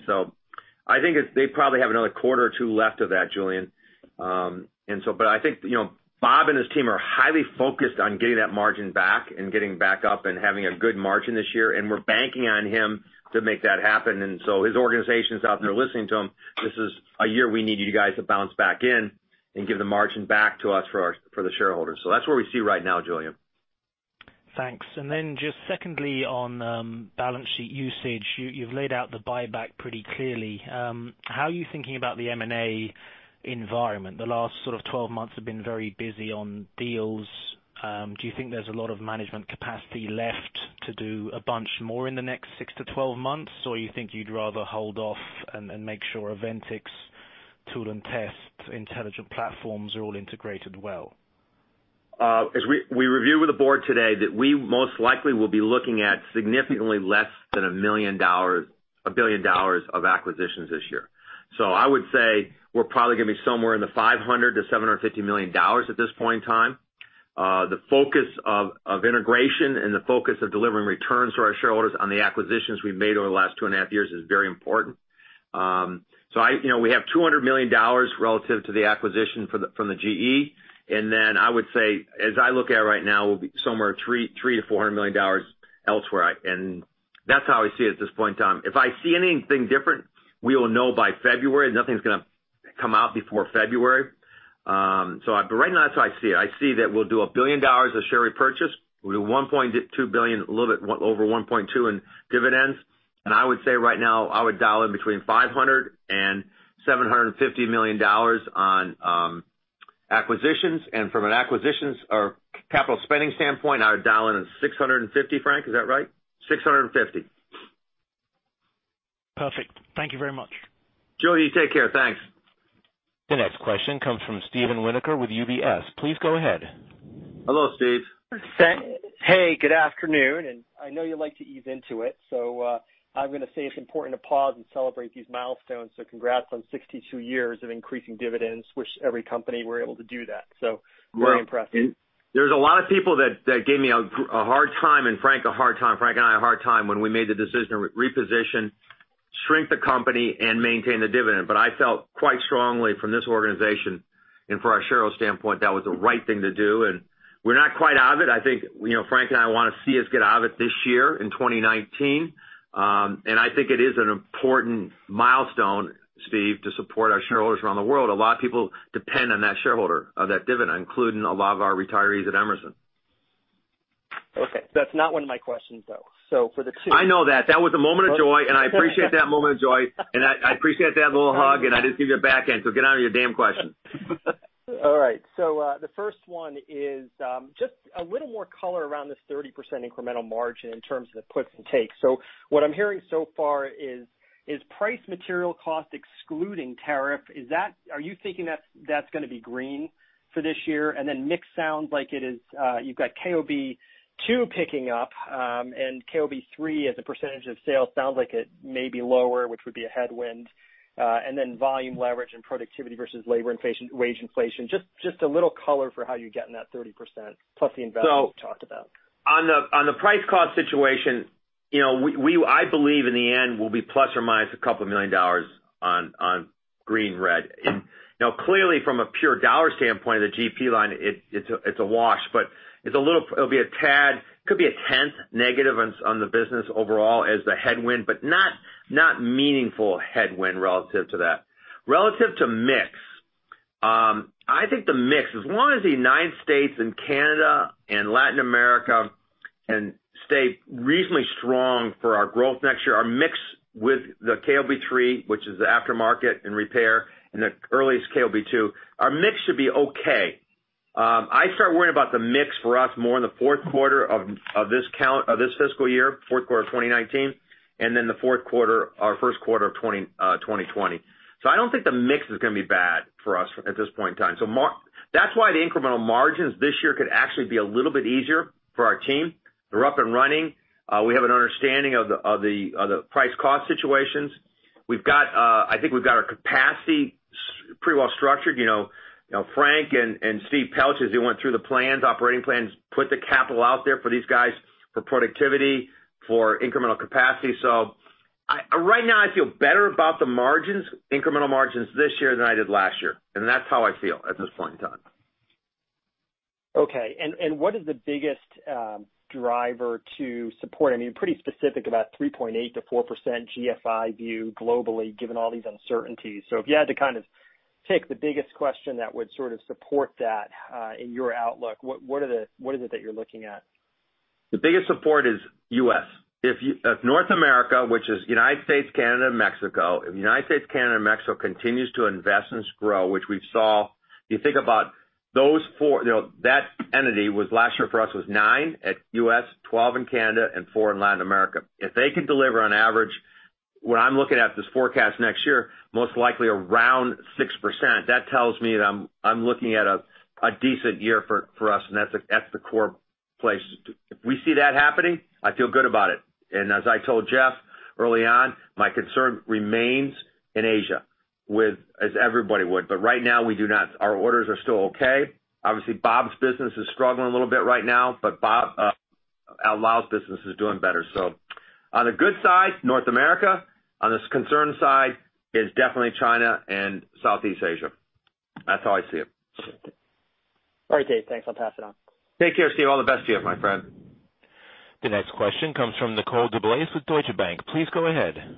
Speaker 3: I think they probably have another quarter or two left of that, Julian. I think Bob and his team are highly focused on getting that margin back and getting back up and having a good margin this year. We're banking on him to make that happen. His organization's out there listening to him. This is a year we need you guys to bounce back in and give the margin back to us for the shareholders. That's where we see right now, Julian.
Speaker 8: Thanks. Just secondly on balance sheet usage. You've laid out the buyback pretty clearly. How are you thinking about the M&A environment? The last 12 months have been very busy on deals. Do you think there's a lot of management capacity left to do a bunch more in the next 6-12 months, or you think you'd rather hold off and make sure Aventics, Tools & Test, Intelligent Platforms are all integrated well?
Speaker 3: As we reviewed with the board today that we most likely will be looking at significantly less than $1 billion of acquisitions this year. I would say we're probably going to be somewhere in the $500 million-$750 million at this point in time. The focus of integration and the focus of delivering returns to our shareholders on the acquisitions we've made over the last two and a half years is very important. We have $200 million relative to the acquisition from the GE. Then I would say, as I look at it right now, we'll be somewhere $300 million-$400 million elsewhere. That's how I see it at this point in time. If I see anything different, we will know by February. Nothing's going to come out before February. Right now, that's how I see it. I see that we'll do $1 billion of share repurchase. We'll do a little bit over $1.2 billion in dividends. I would say right now, I would dial in between $500 million and $750 million on acquisitions. From an acquisitions or capital spending standpoint, I would dial in at $650 million. Frank, is that right? $650 million.
Speaker 8: Perfect. Thank you very much.
Speaker 3: Julian, you take care. Thanks.
Speaker 1: The next question comes from Steven Winoker with UBS. Please go ahead.
Speaker 3: Hello, Steve.
Speaker 9: Hey, good afternoon. I know you like to ease into it, I'm going to say it's important to pause and celebrate these milestones. Congrats on 62 years of increasing dividends. Wish every company were able to do that, very impressive.
Speaker 3: There's a lot of people that gave me a hard time, and Frank a hard time, Frank and I a hard time when we made the decision to reposition, shrink the company, and maintain the dividend. I felt quite strongly from this organization and for our shareholder standpoint, that was the right thing to do, and we're not quite out of it. I think Frank and I want to see us get out of it this year in 2019. I think it is an important milestone, Steven, to support our shareholders around the world. A lot of people depend on that shareholder, that dividend, including a lot of our retirees at Emerson.
Speaker 9: Okay. That's not one of my questions, though.
Speaker 3: I know that. That was a moment of joy, and I appreciate that moment of joy. I appreciate that little hug, and I just gave you back in. Get on with your damn question.
Speaker 9: All right. The first one is just a little more color around this 30% incremental margin in terms of the puts and takes. What I'm hearing so far is price material cost excluding tariff. Are you thinking that's going to be green for this year? Then mix sounds like you've got KOB-2 picking up, and KOB-3 as a percentage of sales sounds like it may be lower, which would be a headwind. Then volume leverage and productivity versus labor inflation, wage inflation. Just a little color for how you're getting that 30% plus the investments you talked about.
Speaker 3: On the price cost situation, I believe in the end we'll be plus or minus a couple million dollars on green red. Now, clearly from a pure dollar standpoint of the GP line, it's a wash, but it'll be a tad, could be a tenth negative on the business overall as the headwind, but not meaningful headwind relative to that. Relative to mix. I think the mix, as long as the U.S. and Canada and Latin America can stay reasonably strong for our growth next year, our mix with the KOB-3, which is the aftermarket and repair, and the earliest KOB-2, our mix should be okay. I start worrying about the mix for us more in the fourth quarter of this fiscal year, fourth quarter 2019. Then the first quarter of 2020. I don't think the mix is going to be bad for us at this point in time. That's why the incremental margins this year could actually be a little bit easier for our team. They're up and running. We have an understanding of the price cost situations. I think we've got our capacity pretty well structured. Frank and Steve Pelch, as they went through the plans, operating plans, put the capital out there for these guys for productivity, for incremental capacity. Right now I feel better about the margins, incremental margins this year than I did last year, and that's how I feel at this point in time.
Speaker 9: What is the biggest driver to support? I mean, pretty specific about 3.8% to 4% GFI view globally, given all these uncertainties. If you had to kind of pick the biggest question that would sort of support that in your outlook, what is it that you're looking at?
Speaker 3: The biggest support is U.S. If North America, which is United States, Canada, and Mexico, continues to invest and grow, which we saw, if you think about that entity last year for us was nine in the U.S., 12 in Canada, and four in Latin America. If they could deliver on average, what I'm looking at this forecast next year, most likely around 6%. That tells me that I'm looking at a decent year for us, and that's the core place. If we see that happening, I feel good about it. As I told Jeff early on, my concern remains in Asia as everybody would, but right now we do not. Our orders are still okay. Obviously, Bob's business is struggling a little bit right now, but Lal's business is doing better. On the good side, North America. On this concern side is definitely China and Southeast Asia. That's how I see it.
Speaker 9: All right, Dave. Thanks. I'll pass it on.
Speaker 3: Take care, Steve. All the best to you, my friend.
Speaker 1: The next question comes from Nicole DeBlase with Deutsche Bank. Please go ahead.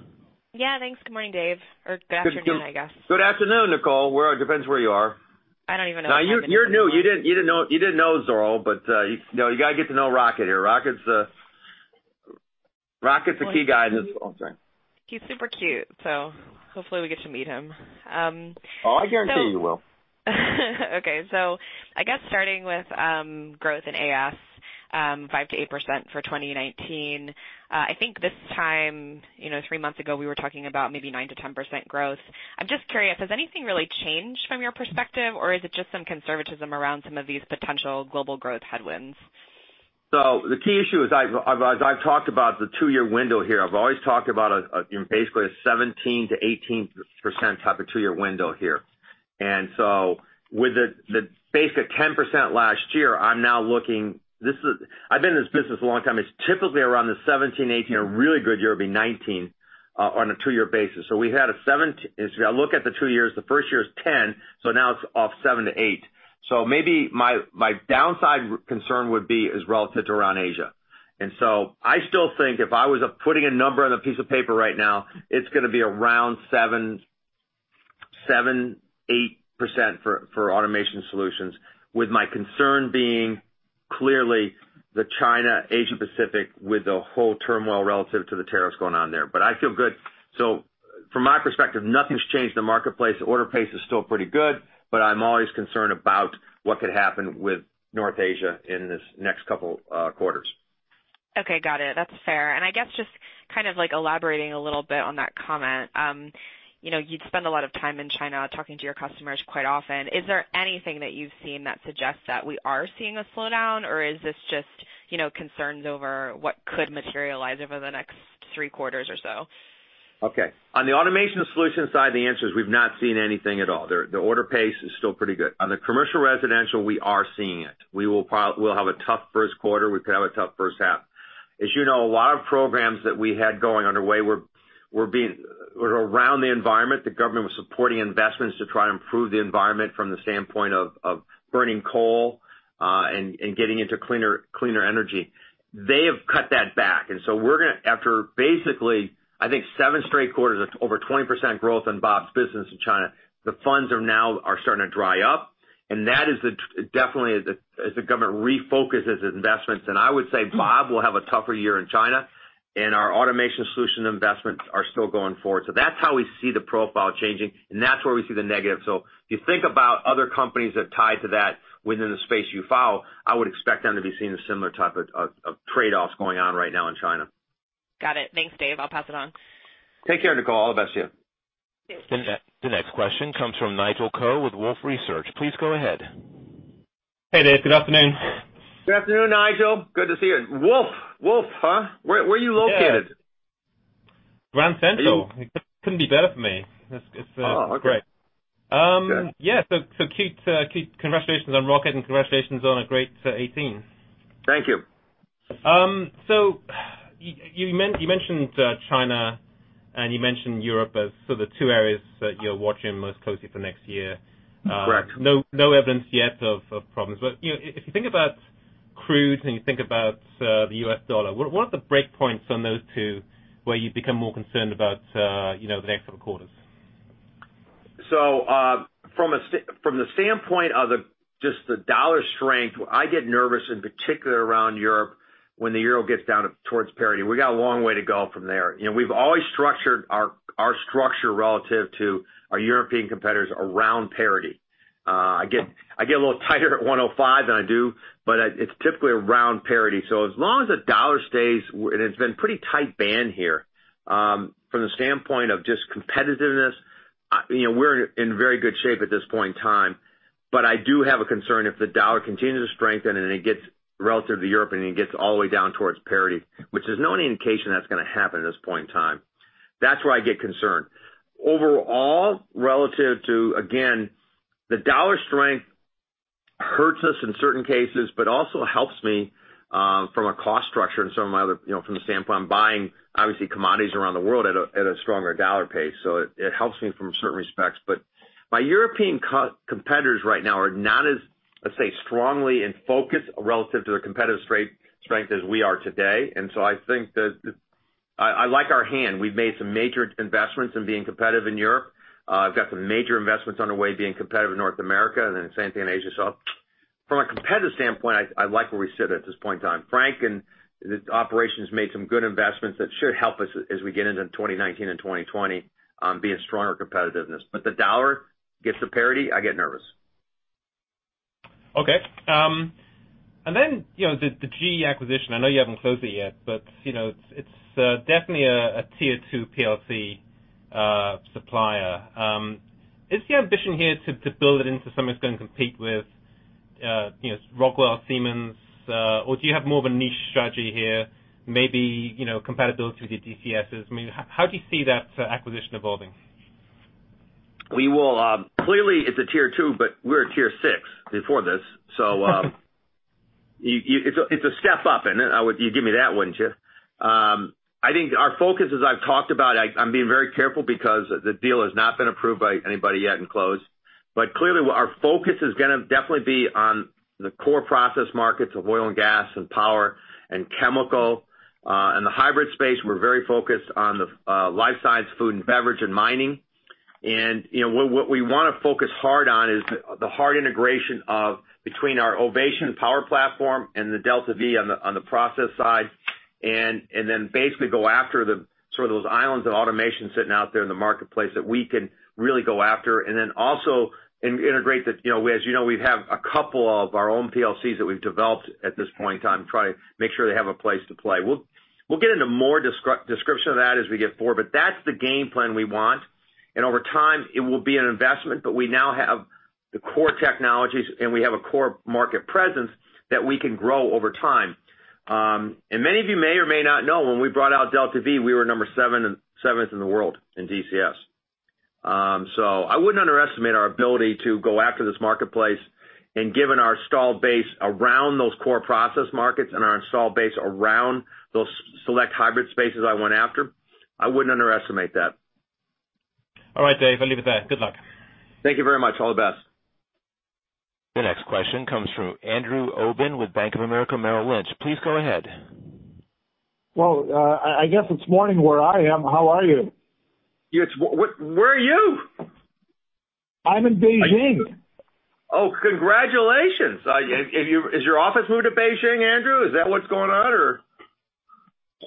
Speaker 10: Yeah, thanks. Good morning, Dave. Or good afternoon, I guess.
Speaker 3: Good afternoon, Nicole. Well, it depends where you are.
Speaker 10: I don't even know.
Speaker 3: You're new. You didn't know Zorro, but you got to get to know Rocket here. Rocket's a key guy. Oh, sorry.
Speaker 10: He's super cute. Hopefully we get to meet him.
Speaker 3: Oh, I guarantee you will.
Speaker 10: Okay. I guess starting with growth in AS, 5%-8% for 2019. I think this time, three months ago, we were talking about maybe 9%-10% growth. I'm just curious, has anything really changed from your perspective, or is it just some conservatism around some of these potential global growth headwinds?
Speaker 3: The key issue, as I've talked about the two-year window here, I've always talked about basically a 17%-18% type of two-year window here. With the basic 10% last year, I've been in this business a long time. It's typically around the 17%, 18%. A really good year would be 19% on a two-year basis. If I look at the two years, the first year is 10%, so now it's off 7%-8%. Maybe my downside concern would be is relative around Asia. I still think if I was putting a number on a piece of paper right now, it's going to be around 7%, 8% for Automation Solutions, with my concern being clearly the China, Asia-Pacific, with the whole turmoil relative to the tariffs going on there. But I feel good. From my perspective, nothing's changed in the marketplace. Order pace is still pretty good, but I'm always concerned about what could happen with North Asia in this next couple quarters.
Speaker 10: Okay, got it. That's fair. I guess just kind of like elaborating a little bit on that comment. You'd spend a lot of time in China talking to your customers quite often. Is there anything that you've seen that suggests that we are seeing a slowdown, or is this just concerns over what could materialize over the next three quarters or so?
Speaker 3: Okay. On the Automation Solutions side, the answer is we've not seen anything at all. The order pace is still pretty good. On the Commercial Residential, we are seeing it. We'll have a tough first quarter. We could have a tough first half. As you know, a lot of programs that we had going underway were around the environment. The government was supporting investments to try and improve the environment from the standpoint of burning coal and getting into cleaner energy. They have cut that back, after basically, I think seven straight quarters of over 20% growth in Bob's business in China, the funds are now starting to dry up, and that is definitely as the government refocuses its investments. I would say Bob will have a tougher year in China. Our Automation Solutions investments are still going forward. That's how we see the profile changing, and that's where we see the negative. If you think about other companies that tie to that within the space you follow, I would expect them to be seeing a similar type of trade-offs going on right now in China.
Speaker 10: Got it. Thanks, Dave. I'll pass it on.
Speaker 3: Take care, Nicole. All the best to you.
Speaker 10: Thanks.
Speaker 1: The next question comes from Nigel Coe with Wolfe Research. Please go ahead.
Speaker 11: Hey there. Good afternoon.
Speaker 3: Good afternoon, Nigel. Good to see you. Wolfe? Wolfe, huh? Where are you located?
Speaker 11: Yeah. Grand Central.
Speaker 3: Are you-
Speaker 11: It couldn't be better for me.
Speaker 3: Oh, okay.
Speaker 11: It's great.
Speaker 3: Good.
Speaker 11: Yeah. Congratulations on Rocket, and congratulations on a great 2018.
Speaker 3: Thank you.
Speaker 11: You mentioned China and you mentioned Europe as sort of the two areas that you're watching most closely for next year.
Speaker 3: Correct.
Speaker 11: No evidence yet of problems. If you think about crude, and you think about the U.S. dollar, what are the breakpoints on those two where you become more concerned about the next couple of quarters?
Speaker 3: From the standpoint of just the dollar strength, I get nervous, in particular, around Europe when the euro gets down towards parity. We got a long way to go from there. We've always structured our structure relative to our European competitors around parity. I get a little tighter at 1.05 than I do, but it's typically around parity. As long as the dollar stays, and it's been pretty tight band here. From the standpoint of just competitiveness, we're in very good shape at this point in time. I do have a concern if the dollar continues to strengthen and it gets relative to European, and it gets all the way down towards parity, which there's no indication that's going to happen at this point in time. That's where I get concerned. Overall, relative to, again, the dollar strength hurts us in certain cases, but also helps me, from a cost structure and some of my other, from the standpoint I'm buying, obviously, commodities around the world at a stronger dollar pace. It helps me from certain respects. My European competitors right now are not as, let's say, strongly in focus relative to their competitive strength as we are today. I think that I like our hand. We've made some major investments in being competitive in Europe. I've got some major investments on the way being competitive in North America, and then the same thing in Asia. From a competitive standpoint, I like where we sit at this point in time. Frank and the operations made some good investments that should help us as we get into 2019 and 2020, being stronger competitiveness. The dollar gets to parity, I get nervous.
Speaker 11: Okay. The GE acquisition, I know you haven't closed it yet, but it's definitely a Tier 2 PLC supplier. Is the ambition here to build it into something that's going to compete with Rockwell, Siemens? Or do you have more of a niche strategy here, maybe, compatibility with your DCSs? How do you see that acquisition evolving?
Speaker 3: Clearly, it's a Tier 2, we're a Tier 6 before this. It's a step up, and you'd give me that, wouldn't you? I think our focus, as I've talked about, I'm being very careful because the deal has not been approved by anybody yet and closed. Clearly, our focus is going to definitely be on the core process markets of oil and gas and power and chemical. The hybrid space, we're very focused on the life science, food and beverage, and mining. What we want to focus hard on is the hard integration between our Ovation power platform and the DeltaV on the process side, then basically go after sort of those islands of automation sitting out there in the marketplace that we can really go after. Also integrate, as you know, we have a couple of our own PLCs that we've developed at this point in time, try to make sure they have a place to play. We'll get into more description of that as we get forward. That's the game plan we want. Over time, it will be an investment, but we now have the core technologies, and we have a core market presence that we can grow over time. Many of you may or may not know, when we brought out DeltaV, we were number seven in the world in DCS. I wouldn't underestimate our ability to go after this marketplace. Given our install base around those core process markets and our install base around those select hybrid spaces I went after, I wouldn't underestimate that.
Speaker 11: All right, Dave, I'll leave it there. Good luck.
Speaker 3: Thank you very much. All the best.
Speaker 1: The next question comes from Andrew Obin with Bank of America Merrill Lynch. Please go ahead.
Speaker 12: Well, I guess it's morning where I am. How are you?
Speaker 3: Where are you?
Speaker 12: I'm in Beijing.
Speaker 3: Oh, congratulations. Has your office moved to Beijing, Andrew? Is that what's going on, or?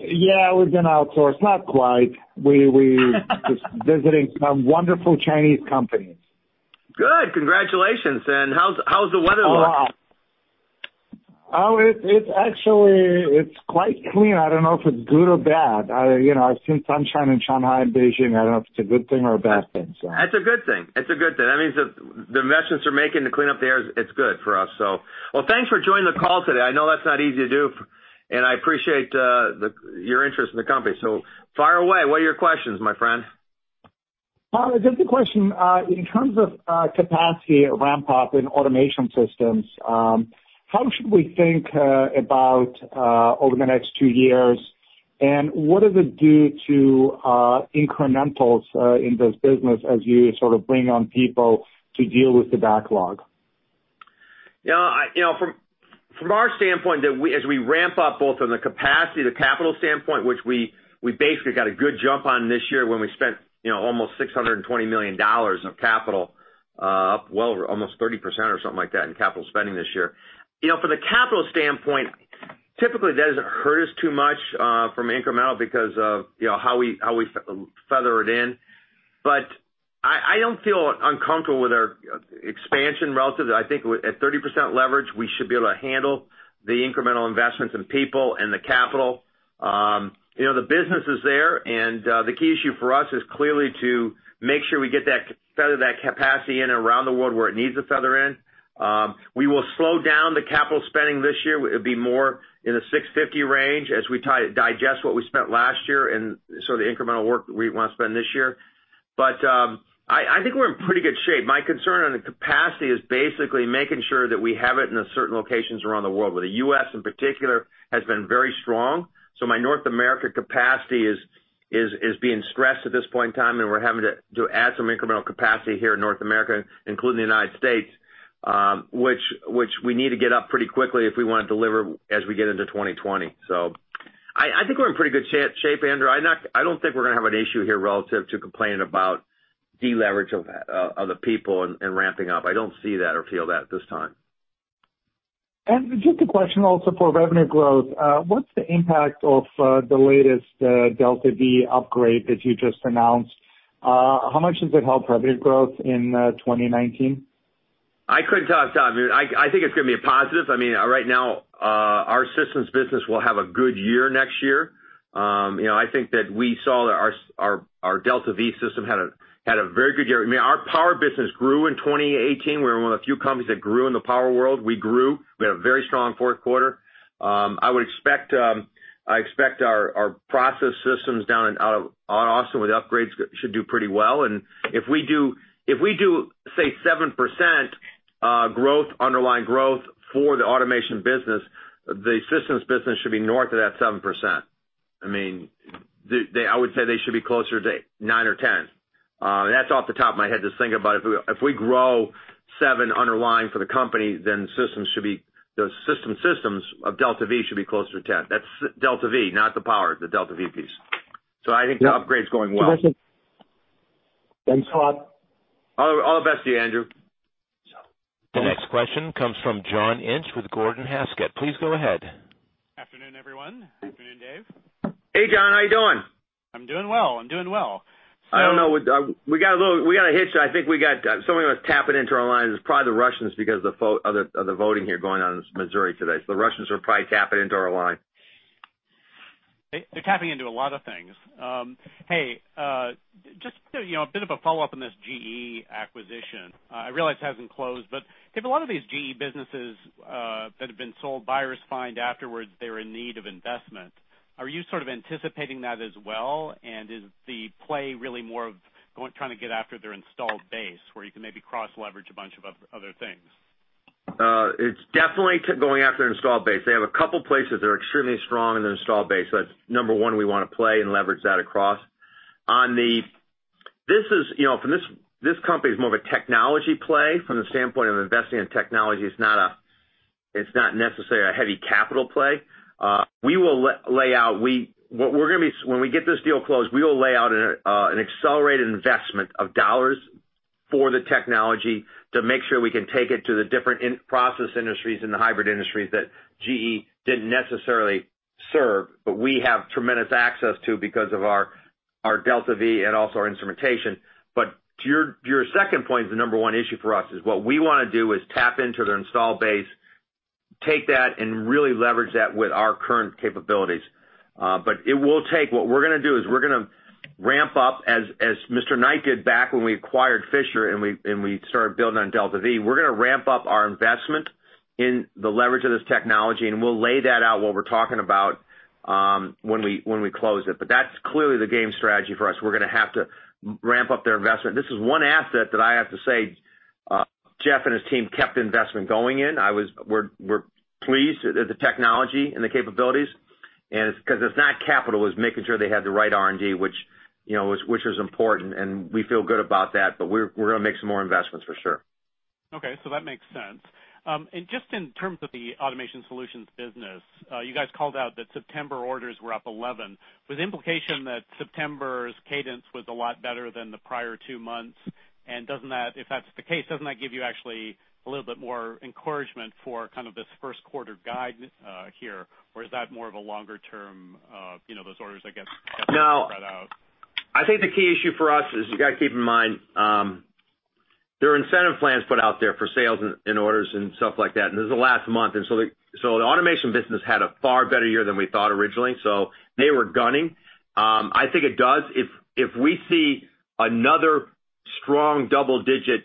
Speaker 12: Yeah, we've been outsourced. Not quite. We're just visiting some wonderful Chinese companies.
Speaker 3: Good. Congratulations. How's the weather looking?
Speaker 12: Oh, it's actually quite clean. I don't know if it's good or bad. I've seen sunshine in Shanghai and Beijing. I don't know if it's a good thing or a bad thing, so.
Speaker 3: That's a good thing. That means that the investments they're making to clean up the air, it's good for us. Thanks for joining the call today. I know that's not easy to do, and I appreciate your interest in the company. Fire away. What are your questions, my friend?
Speaker 12: Just a question. In terms of capacity ramp-up in Automation Solutions, how should we think about over the next two years, and what does it do to incrementals in this business as you sort of bring on people to deal with the backlog?
Speaker 3: From our standpoint, as we ramp up both on the capacity, the capital standpoint, which we basically got a good jump on this year when we spent almost $620 million of capital up well over almost 30% or something like that in capital spending this year. From the capital standpoint, typically that doesn't hurt us too much from incremental because of how we feather it in. I don't feel uncomfortable with our expansion relative. I think at 30% leverage, we should be able to handle the incremental investments in people and the capital. The business is there, the key issue for us is clearly to make sure we get to feather that capacity in around the world where it needs to feather in. We will slow down the capital spending this year. It'll be more in the $650 range as we digest what we spent last year. The incremental work we want to spend this year. I think we're in pretty good shape. My concern on the capacity is basically making sure that we have it in certain locations around the world. The U.S. in particular has been very strong. My North America capacity is being stressed at this point in time, and we're having to add some incremental capacity here in North America, including the U.S., which we need to get up pretty quickly if we want to deliver as we get into 2020. I think we're in pretty good shape, Andrew. I don't think we're going to have an issue here relative to complaining about de-leverage of the people and ramping up. I don't see that or feel that at this time.
Speaker 12: Just a question also for revenue growth. What's the impact of the latest DeltaV upgrade that you just announced? How much does it help revenue growth in 2019?
Speaker 3: I could talk. I think it's going to be a positive. Right now, our systems business will have a good year next year. I think that we saw that our DeltaV system had a very good year. Our power business grew in 2018. We're one of the few companies that grew in the power world. We grew. We had a very strong fourth quarter. I expect our process systems down in Austin with the upgrades should do pretty well. If we do, say, 7% growth, underlying growth for the Automation Solutions business, the systems business should be north of that 7%. I would say they should be closer to 9% or 10%. That's off the top of my head, just thinking about if we grow 7% underlying for the company, the systems of DeltaV should be closer to 10. That's DeltaV, not the power, the DeltaV piece. I think the upgrade's going well.
Speaker 12: Thanks a lot.
Speaker 3: All the best to you, Andrew.
Speaker 1: The next question comes from John Inch with Gordon Haskett. Please go ahead.
Speaker 13: Afternoon, everyone. Afternoon, Dave.
Speaker 3: Hey, John. How you doing?
Speaker 13: I'm doing well.
Speaker 3: I don't know. We got a hitch. I think we got someone who was tapping into our line. It's probably the Russians because of the voting here going on in Missouri today. The Russians are probably tapping into our line.
Speaker 13: They're tapping into a lot of things. Hey, just a bit of a follow-up on this GE acquisition. I realize it hasn't closed, David, a lot of these GE businesses that have been sold, buyers find afterwards they're in need of investment. Are you sort of anticipating that as well? Is the play really more of trying to get after their installed base, where you can maybe cross-leverage a bunch of other things?
Speaker 3: It's definitely going after installed base. They have a couple places that are extremely strong in their installed base. That's number one we want to play and leverage that across. This company is more of a technology play from the standpoint of investing in technology. It's not necessarily a heavy capital play. When we get this deal closed, we will lay out an accelerated investment of dollars for the technology to make sure we can take it to the different process industries and the hybrid industries that GE didn't necessarily serve, but we have tremendous access to because of our DeltaV and also our instrumentation. To your second point is the number one issue for us is what we want to do is tap into their installed base, take that, and really leverage that with our current capabilities. What we're going to do is we're going to ramp up as Mr. Knight did back when we acquired Fisher and we started building on DeltaV. We're going to ramp up our investment in the leverage of this technology, and we'll lay that out, what we're talking about, when we close it. That's clearly the game strategy for us. We're going to have to ramp up their investment. This is one asset that I have to say Jeff and his team kept the investment going in. We're pleased at the technology and the capabilities, because it's not capital, it's making sure they have the right R&D, which was important, and we feel good about that, but we're going to make some more investments for sure.
Speaker 13: That makes sense. Just in terms of the Automation Solutions business, you guys called out that September orders were up 11%, with the implication that September's cadence was a lot better than the prior two months. If that's the case, doesn't that give you actually a little bit more encouragement for kind of this first quarter guide here? Or is that more of a longer term, those orders?
Speaker 3: No.
Speaker 13: spread out?
Speaker 3: I think the key issue for us is you got to keep in mind, there are incentive plans put out there for sales and orders and stuff like that, and this is the last month. The Automation Solutions business had a far better year than we thought originally. They were gunning. I think it does. If we see another strong double-digit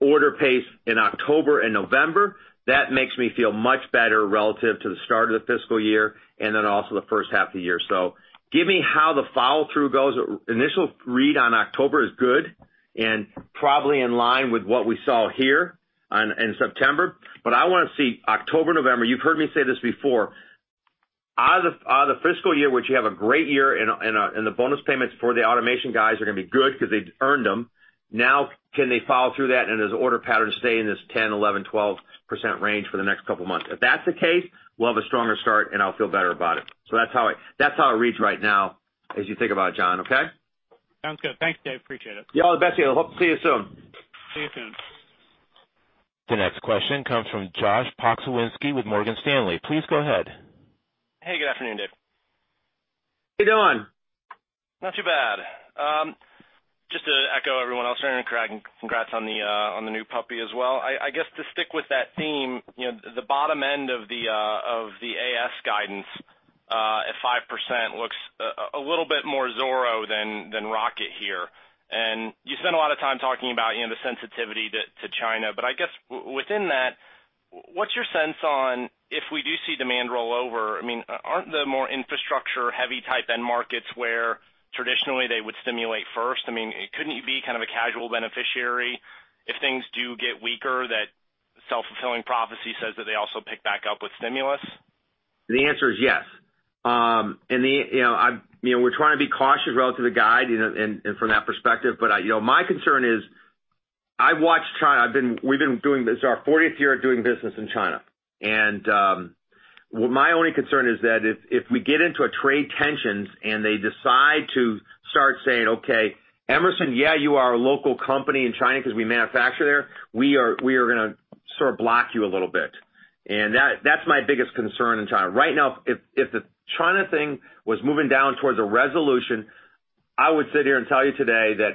Speaker 3: order pace in October and November, that makes me feel much better relative to the start of the fiscal year and then also the first half of the year. Give me how the follow-through goes. Initial read on October is good and probably in line with what we saw here in September. I want to see October, November. You've heard me say this before. Out of the fiscal year, which you have a great year, and the bonus payments for the automation guys are going to be good because they earned them. Can they follow through that, and does the order pattern stay in this 10%, 11%, 12% range for the next couple of months? If that's the case, we'll have a stronger start, and I'll feel better about it. That's how it reads right now. As you think about it, John. Okay?
Speaker 13: Sounds good. Thanks, Dave. Appreciate it.
Speaker 3: You all the best. See you soon.
Speaker 13: See you soon.
Speaker 1: The next question comes from Josh Pokrzywinski with Morgan Stanley. Please go ahead.
Speaker 14: Hey, good afternoon, Dave.
Speaker 3: How you doing?
Speaker 14: Not too bad. Just to echo everyone else, congrats on the new puppy as well. I guess to stick with that theme, the bottom end of the AS guidance at 5% looks a little bit more Zorro than Rocket here. You spent a lot of time talking about the sensitivity to China. I guess within that, what's your sense on if we do see demand roll over, aren't the more infrastructure heavy type end markets where traditionally they would stimulate first? Couldn't you be kind of a casual beneficiary if things do get weaker, that self-fulfilling prophecy says that they also pick back up with stimulus?
Speaker 3: The answer is yes. We're trying to be cautious relative to guide, and from that perspective, my concern is I've watched China. This is our 40th year of doing business in China. My only concern is that if we get into a trade tension and they decide to start saying, "Okay, Emerson, yeah, you are a local company in China because we manufacture there. We are going to sort of block you a little bit." That's my biggest concern in China. Right now, if the China thing was moving down towards a resolution, I would sit here and tell you today that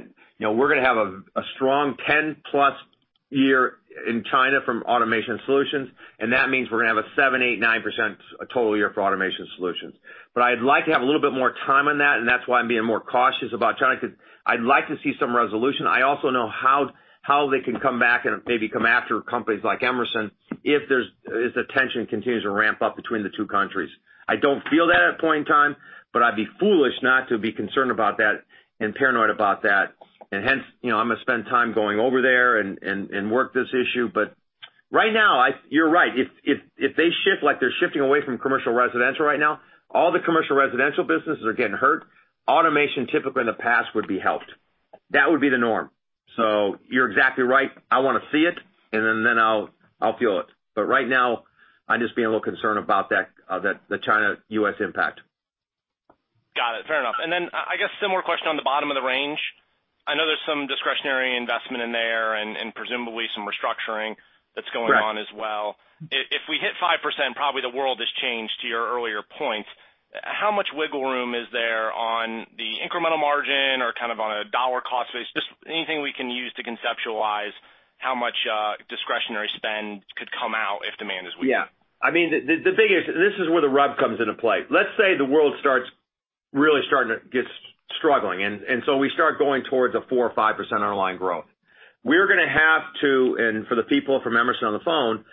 Speaker 3: we're going to have a strong 10+ year in China from Automation Solutions, and that means we're going to have a 7%, 8%, 9% total year for Automation Solutions. I'd like to have a little bit more time on that, and that's why I'm being more cautious about China, because I'd like to see some resolution. I also know how they can come back and maybe come after companies like Emerson if the tension continues to ramp up between the two countries. I don't feel that at point in time, I'd be foolish not to be concerned about that and paranoid about that, hence, I'm going to spend time going over there and work this issue. Right now, you're right. If they shift like they're shifting away from Commercial & Residential right now, all the Commercial & Residential businesses are getting hurt. Automation, typically in the past would be helped. That would be the norm. You're exactly right. I want to see it and then I'll feel it. Right now, I'm just being a little concerned about the China-U.S. impact.
Speaker 14: Got it. Fair enough. Then I guess similar question on the bottom of the range. I know there's some discretionary investment in there and presumably some restructuring that's going on as well.
Speaker 3: Correct.
Speaker 14: If we hit 5%, probably the world has changed to your earlier points. How much wiggle room is there on the incremental margin or kind of on a dollar cost basis? Just anything we can use to conceptualize how much discretionary spend could come out if demand is weak.
Speaker 3: Yeah. This is where the rub comes into play. Let's say the world really starts struggling, we start going towards a 4% or 5% underlying growth. For the people from Emerson on the phone,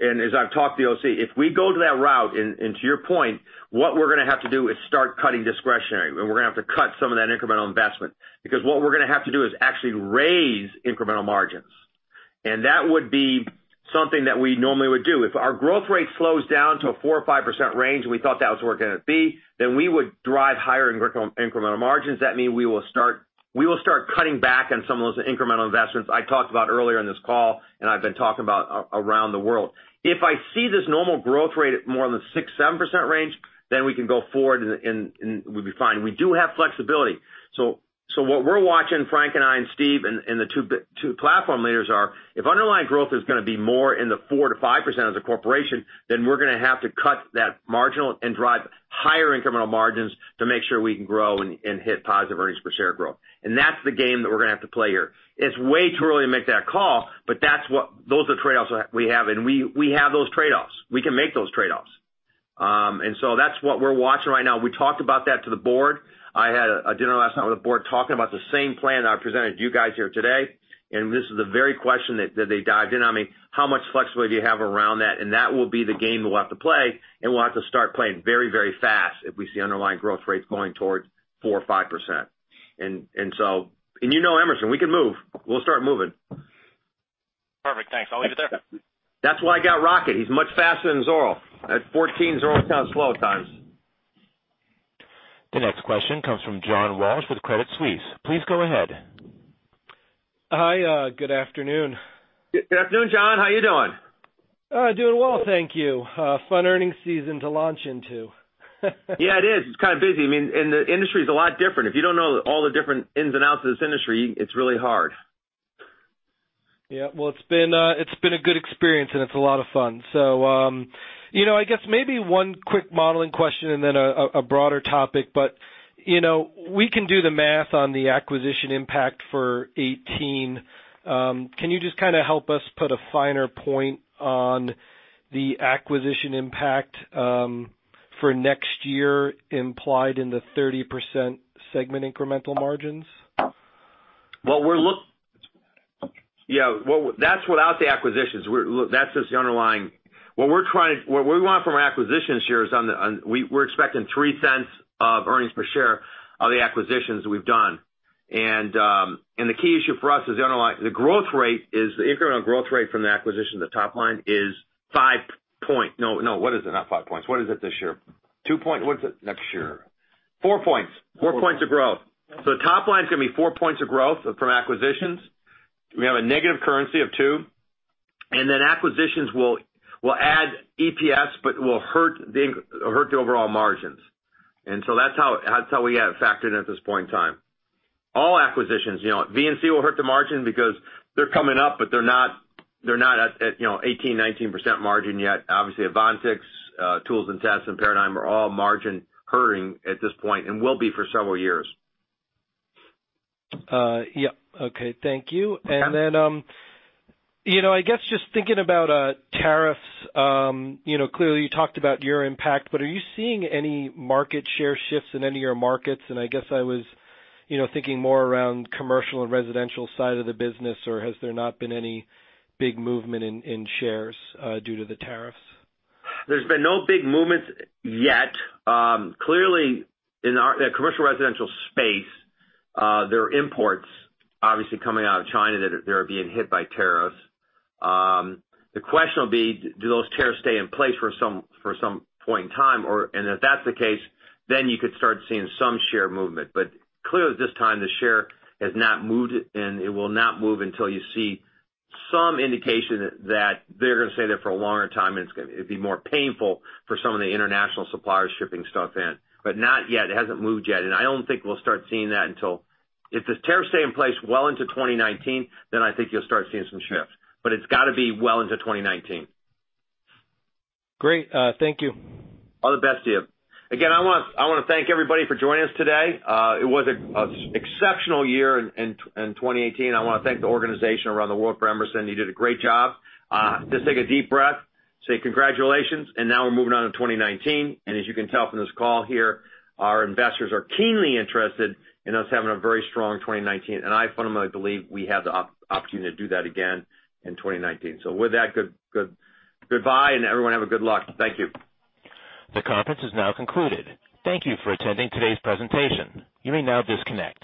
Speaker 3: and as I've talked to you, if we go to that route and to your point, what we're going to have to do is start cutting discretionary, and we're going to have to cut some of that incremental investment, because what we're going to have to do is actually raise incremental margins. That would be something that we normally would do. If our growth rate slows down to a 4% or 5% range and we thought that was where it going to be, we would drive higher incremental margins. That means we will start cutting back on some of those incremental investments I talked about earlier in this call and I've been talking about around the world. If I see this normal growth rate at more than 6%, 7% range, we can go forward and we'd be fine. We do have flexibility. What we're watching, Frank and I, and Steve, and the two platform leaders are, if underlying growth is going to be more in the 4% to 5% of the corporation, we're going to have to cut that marginal and drive higher incremental margins to make sure we can grow and hit positive earnings per share growth. That's the game that we're going to have to play here. It's way too early to make that call, but those are the trade-offs we have. We have those trade-offs. We can make those trade-offs. That's what we're watching right now. We talked about that to the board. I had a dinner last night with the board talking about the same plan that I presented to you guys here today, this is the very question that they dived in on me. How much flexibility do you have around that? That will be the game we'll have to play, and we'll have to start playing very, very fast if we see underlying growth rates going towards 4% or 5%. You know, Emerson, we can move. We'll start moving.
Speaker 14: Perfect. Thanks. I'll leave it there.
Speaker 3: That's why I got Rocket. He's much faster than Zorro. At 14, Zorro sounds slow at times.
Speaker 1: The next question comes from John Walsh with Credit Suisse. Please go ahead.
Speaker 15: Hi, good afternoon.
Speaker 3: Good afternoon, John. How are you doing?
Speaker 15: Doing well, thank you. Fun earnings season to launch into.
Speaker 3: Yeah, it is. It's kind of busy. The industry is a lot different. If you don't know all the different ins and outs of this industry, it's really hard.
Speaker 15: Yeah. Well, it's been a good experience, and it's a lot of fun. I guess maybe one quick modeling question and then a broader topic. We can do the math on the acquisition impact for 2018. Can you just kind of help us put a finer point on the acquisition impact for next year implied in the 30% segment incremental margins?
Speaker 3: That's without the acquisitions. That's just the underlying. We're expecting $0.03 of earnings per share of the acquisitions we've done. The key issue for us is the growth rate is the incremental growth rate from the acquisition to top line is what is it this year? Two points. What's it next year? Four points of growth. The top line's going to be four points of growth from acquisitions. We have a negative currency of two. Acquisitions will add EPS but will hurt the overall margins. That's how we have it factored in at this point in time. All acquisitions, VNC will hurt the margin because they're coming up, but they're not at 18%-19% margin yet. Obviously, Aventics, Tools & Test, and Paradigm are all margin-hurting at this point, and will be for several years.
Speaker 15: Yeah. Okay. Thank you.
Speaker 3: Okay.
Speaker 15: I guess just thinking about tariffs, clearly you talked about your impact, are you seeing any market share shifts in any of your markets? I guess I was thinking more around Commercial & Residential Solutions side of the business, has there not been any big movement in shares due to the tariffs?
Speaker 3: There's been no big movements yet. Clearly in the Commercial & Residential Solutions space, there are imports, obviously coming out of China, that are being hit by tariffs. The question will be, do those tariffs stay in place for some point in time, or if that's the case, then you could start seeing some share movement. Clearly at this time, the share has not moved, and it will not move until you see some indication that they're going to stay there for a longer time, and it'd be more painful for some of the international suppliers shipping stuff in. Not yet. It hasn't moved yet, and I don't think we'll start seeing that until If the tariffs stay in place well into 2019, then I think you'll start seeing some shifts. It's got to be well into 2019.
Speaker 15: Great. Thank you.
Speaker 3: All the best to you. Again, I want to thank everybody for joining us today. It was an exceptional year in 2018. I want to thank the organization around the world for Emerson. You did a great job. Just take a deep breath, say congratulations, now we're moving on to 2019. As you can tell from this call here, our investors are keenly interested in us having a very strong 2019, and I fundamentally believe we have the opportunity to do that again in 2019. With that, goodbye and everyone have a good luck. Thank you.
Speaker 1: The conference is now concluded. Thank you for attending today's presentation. You may now disconnect.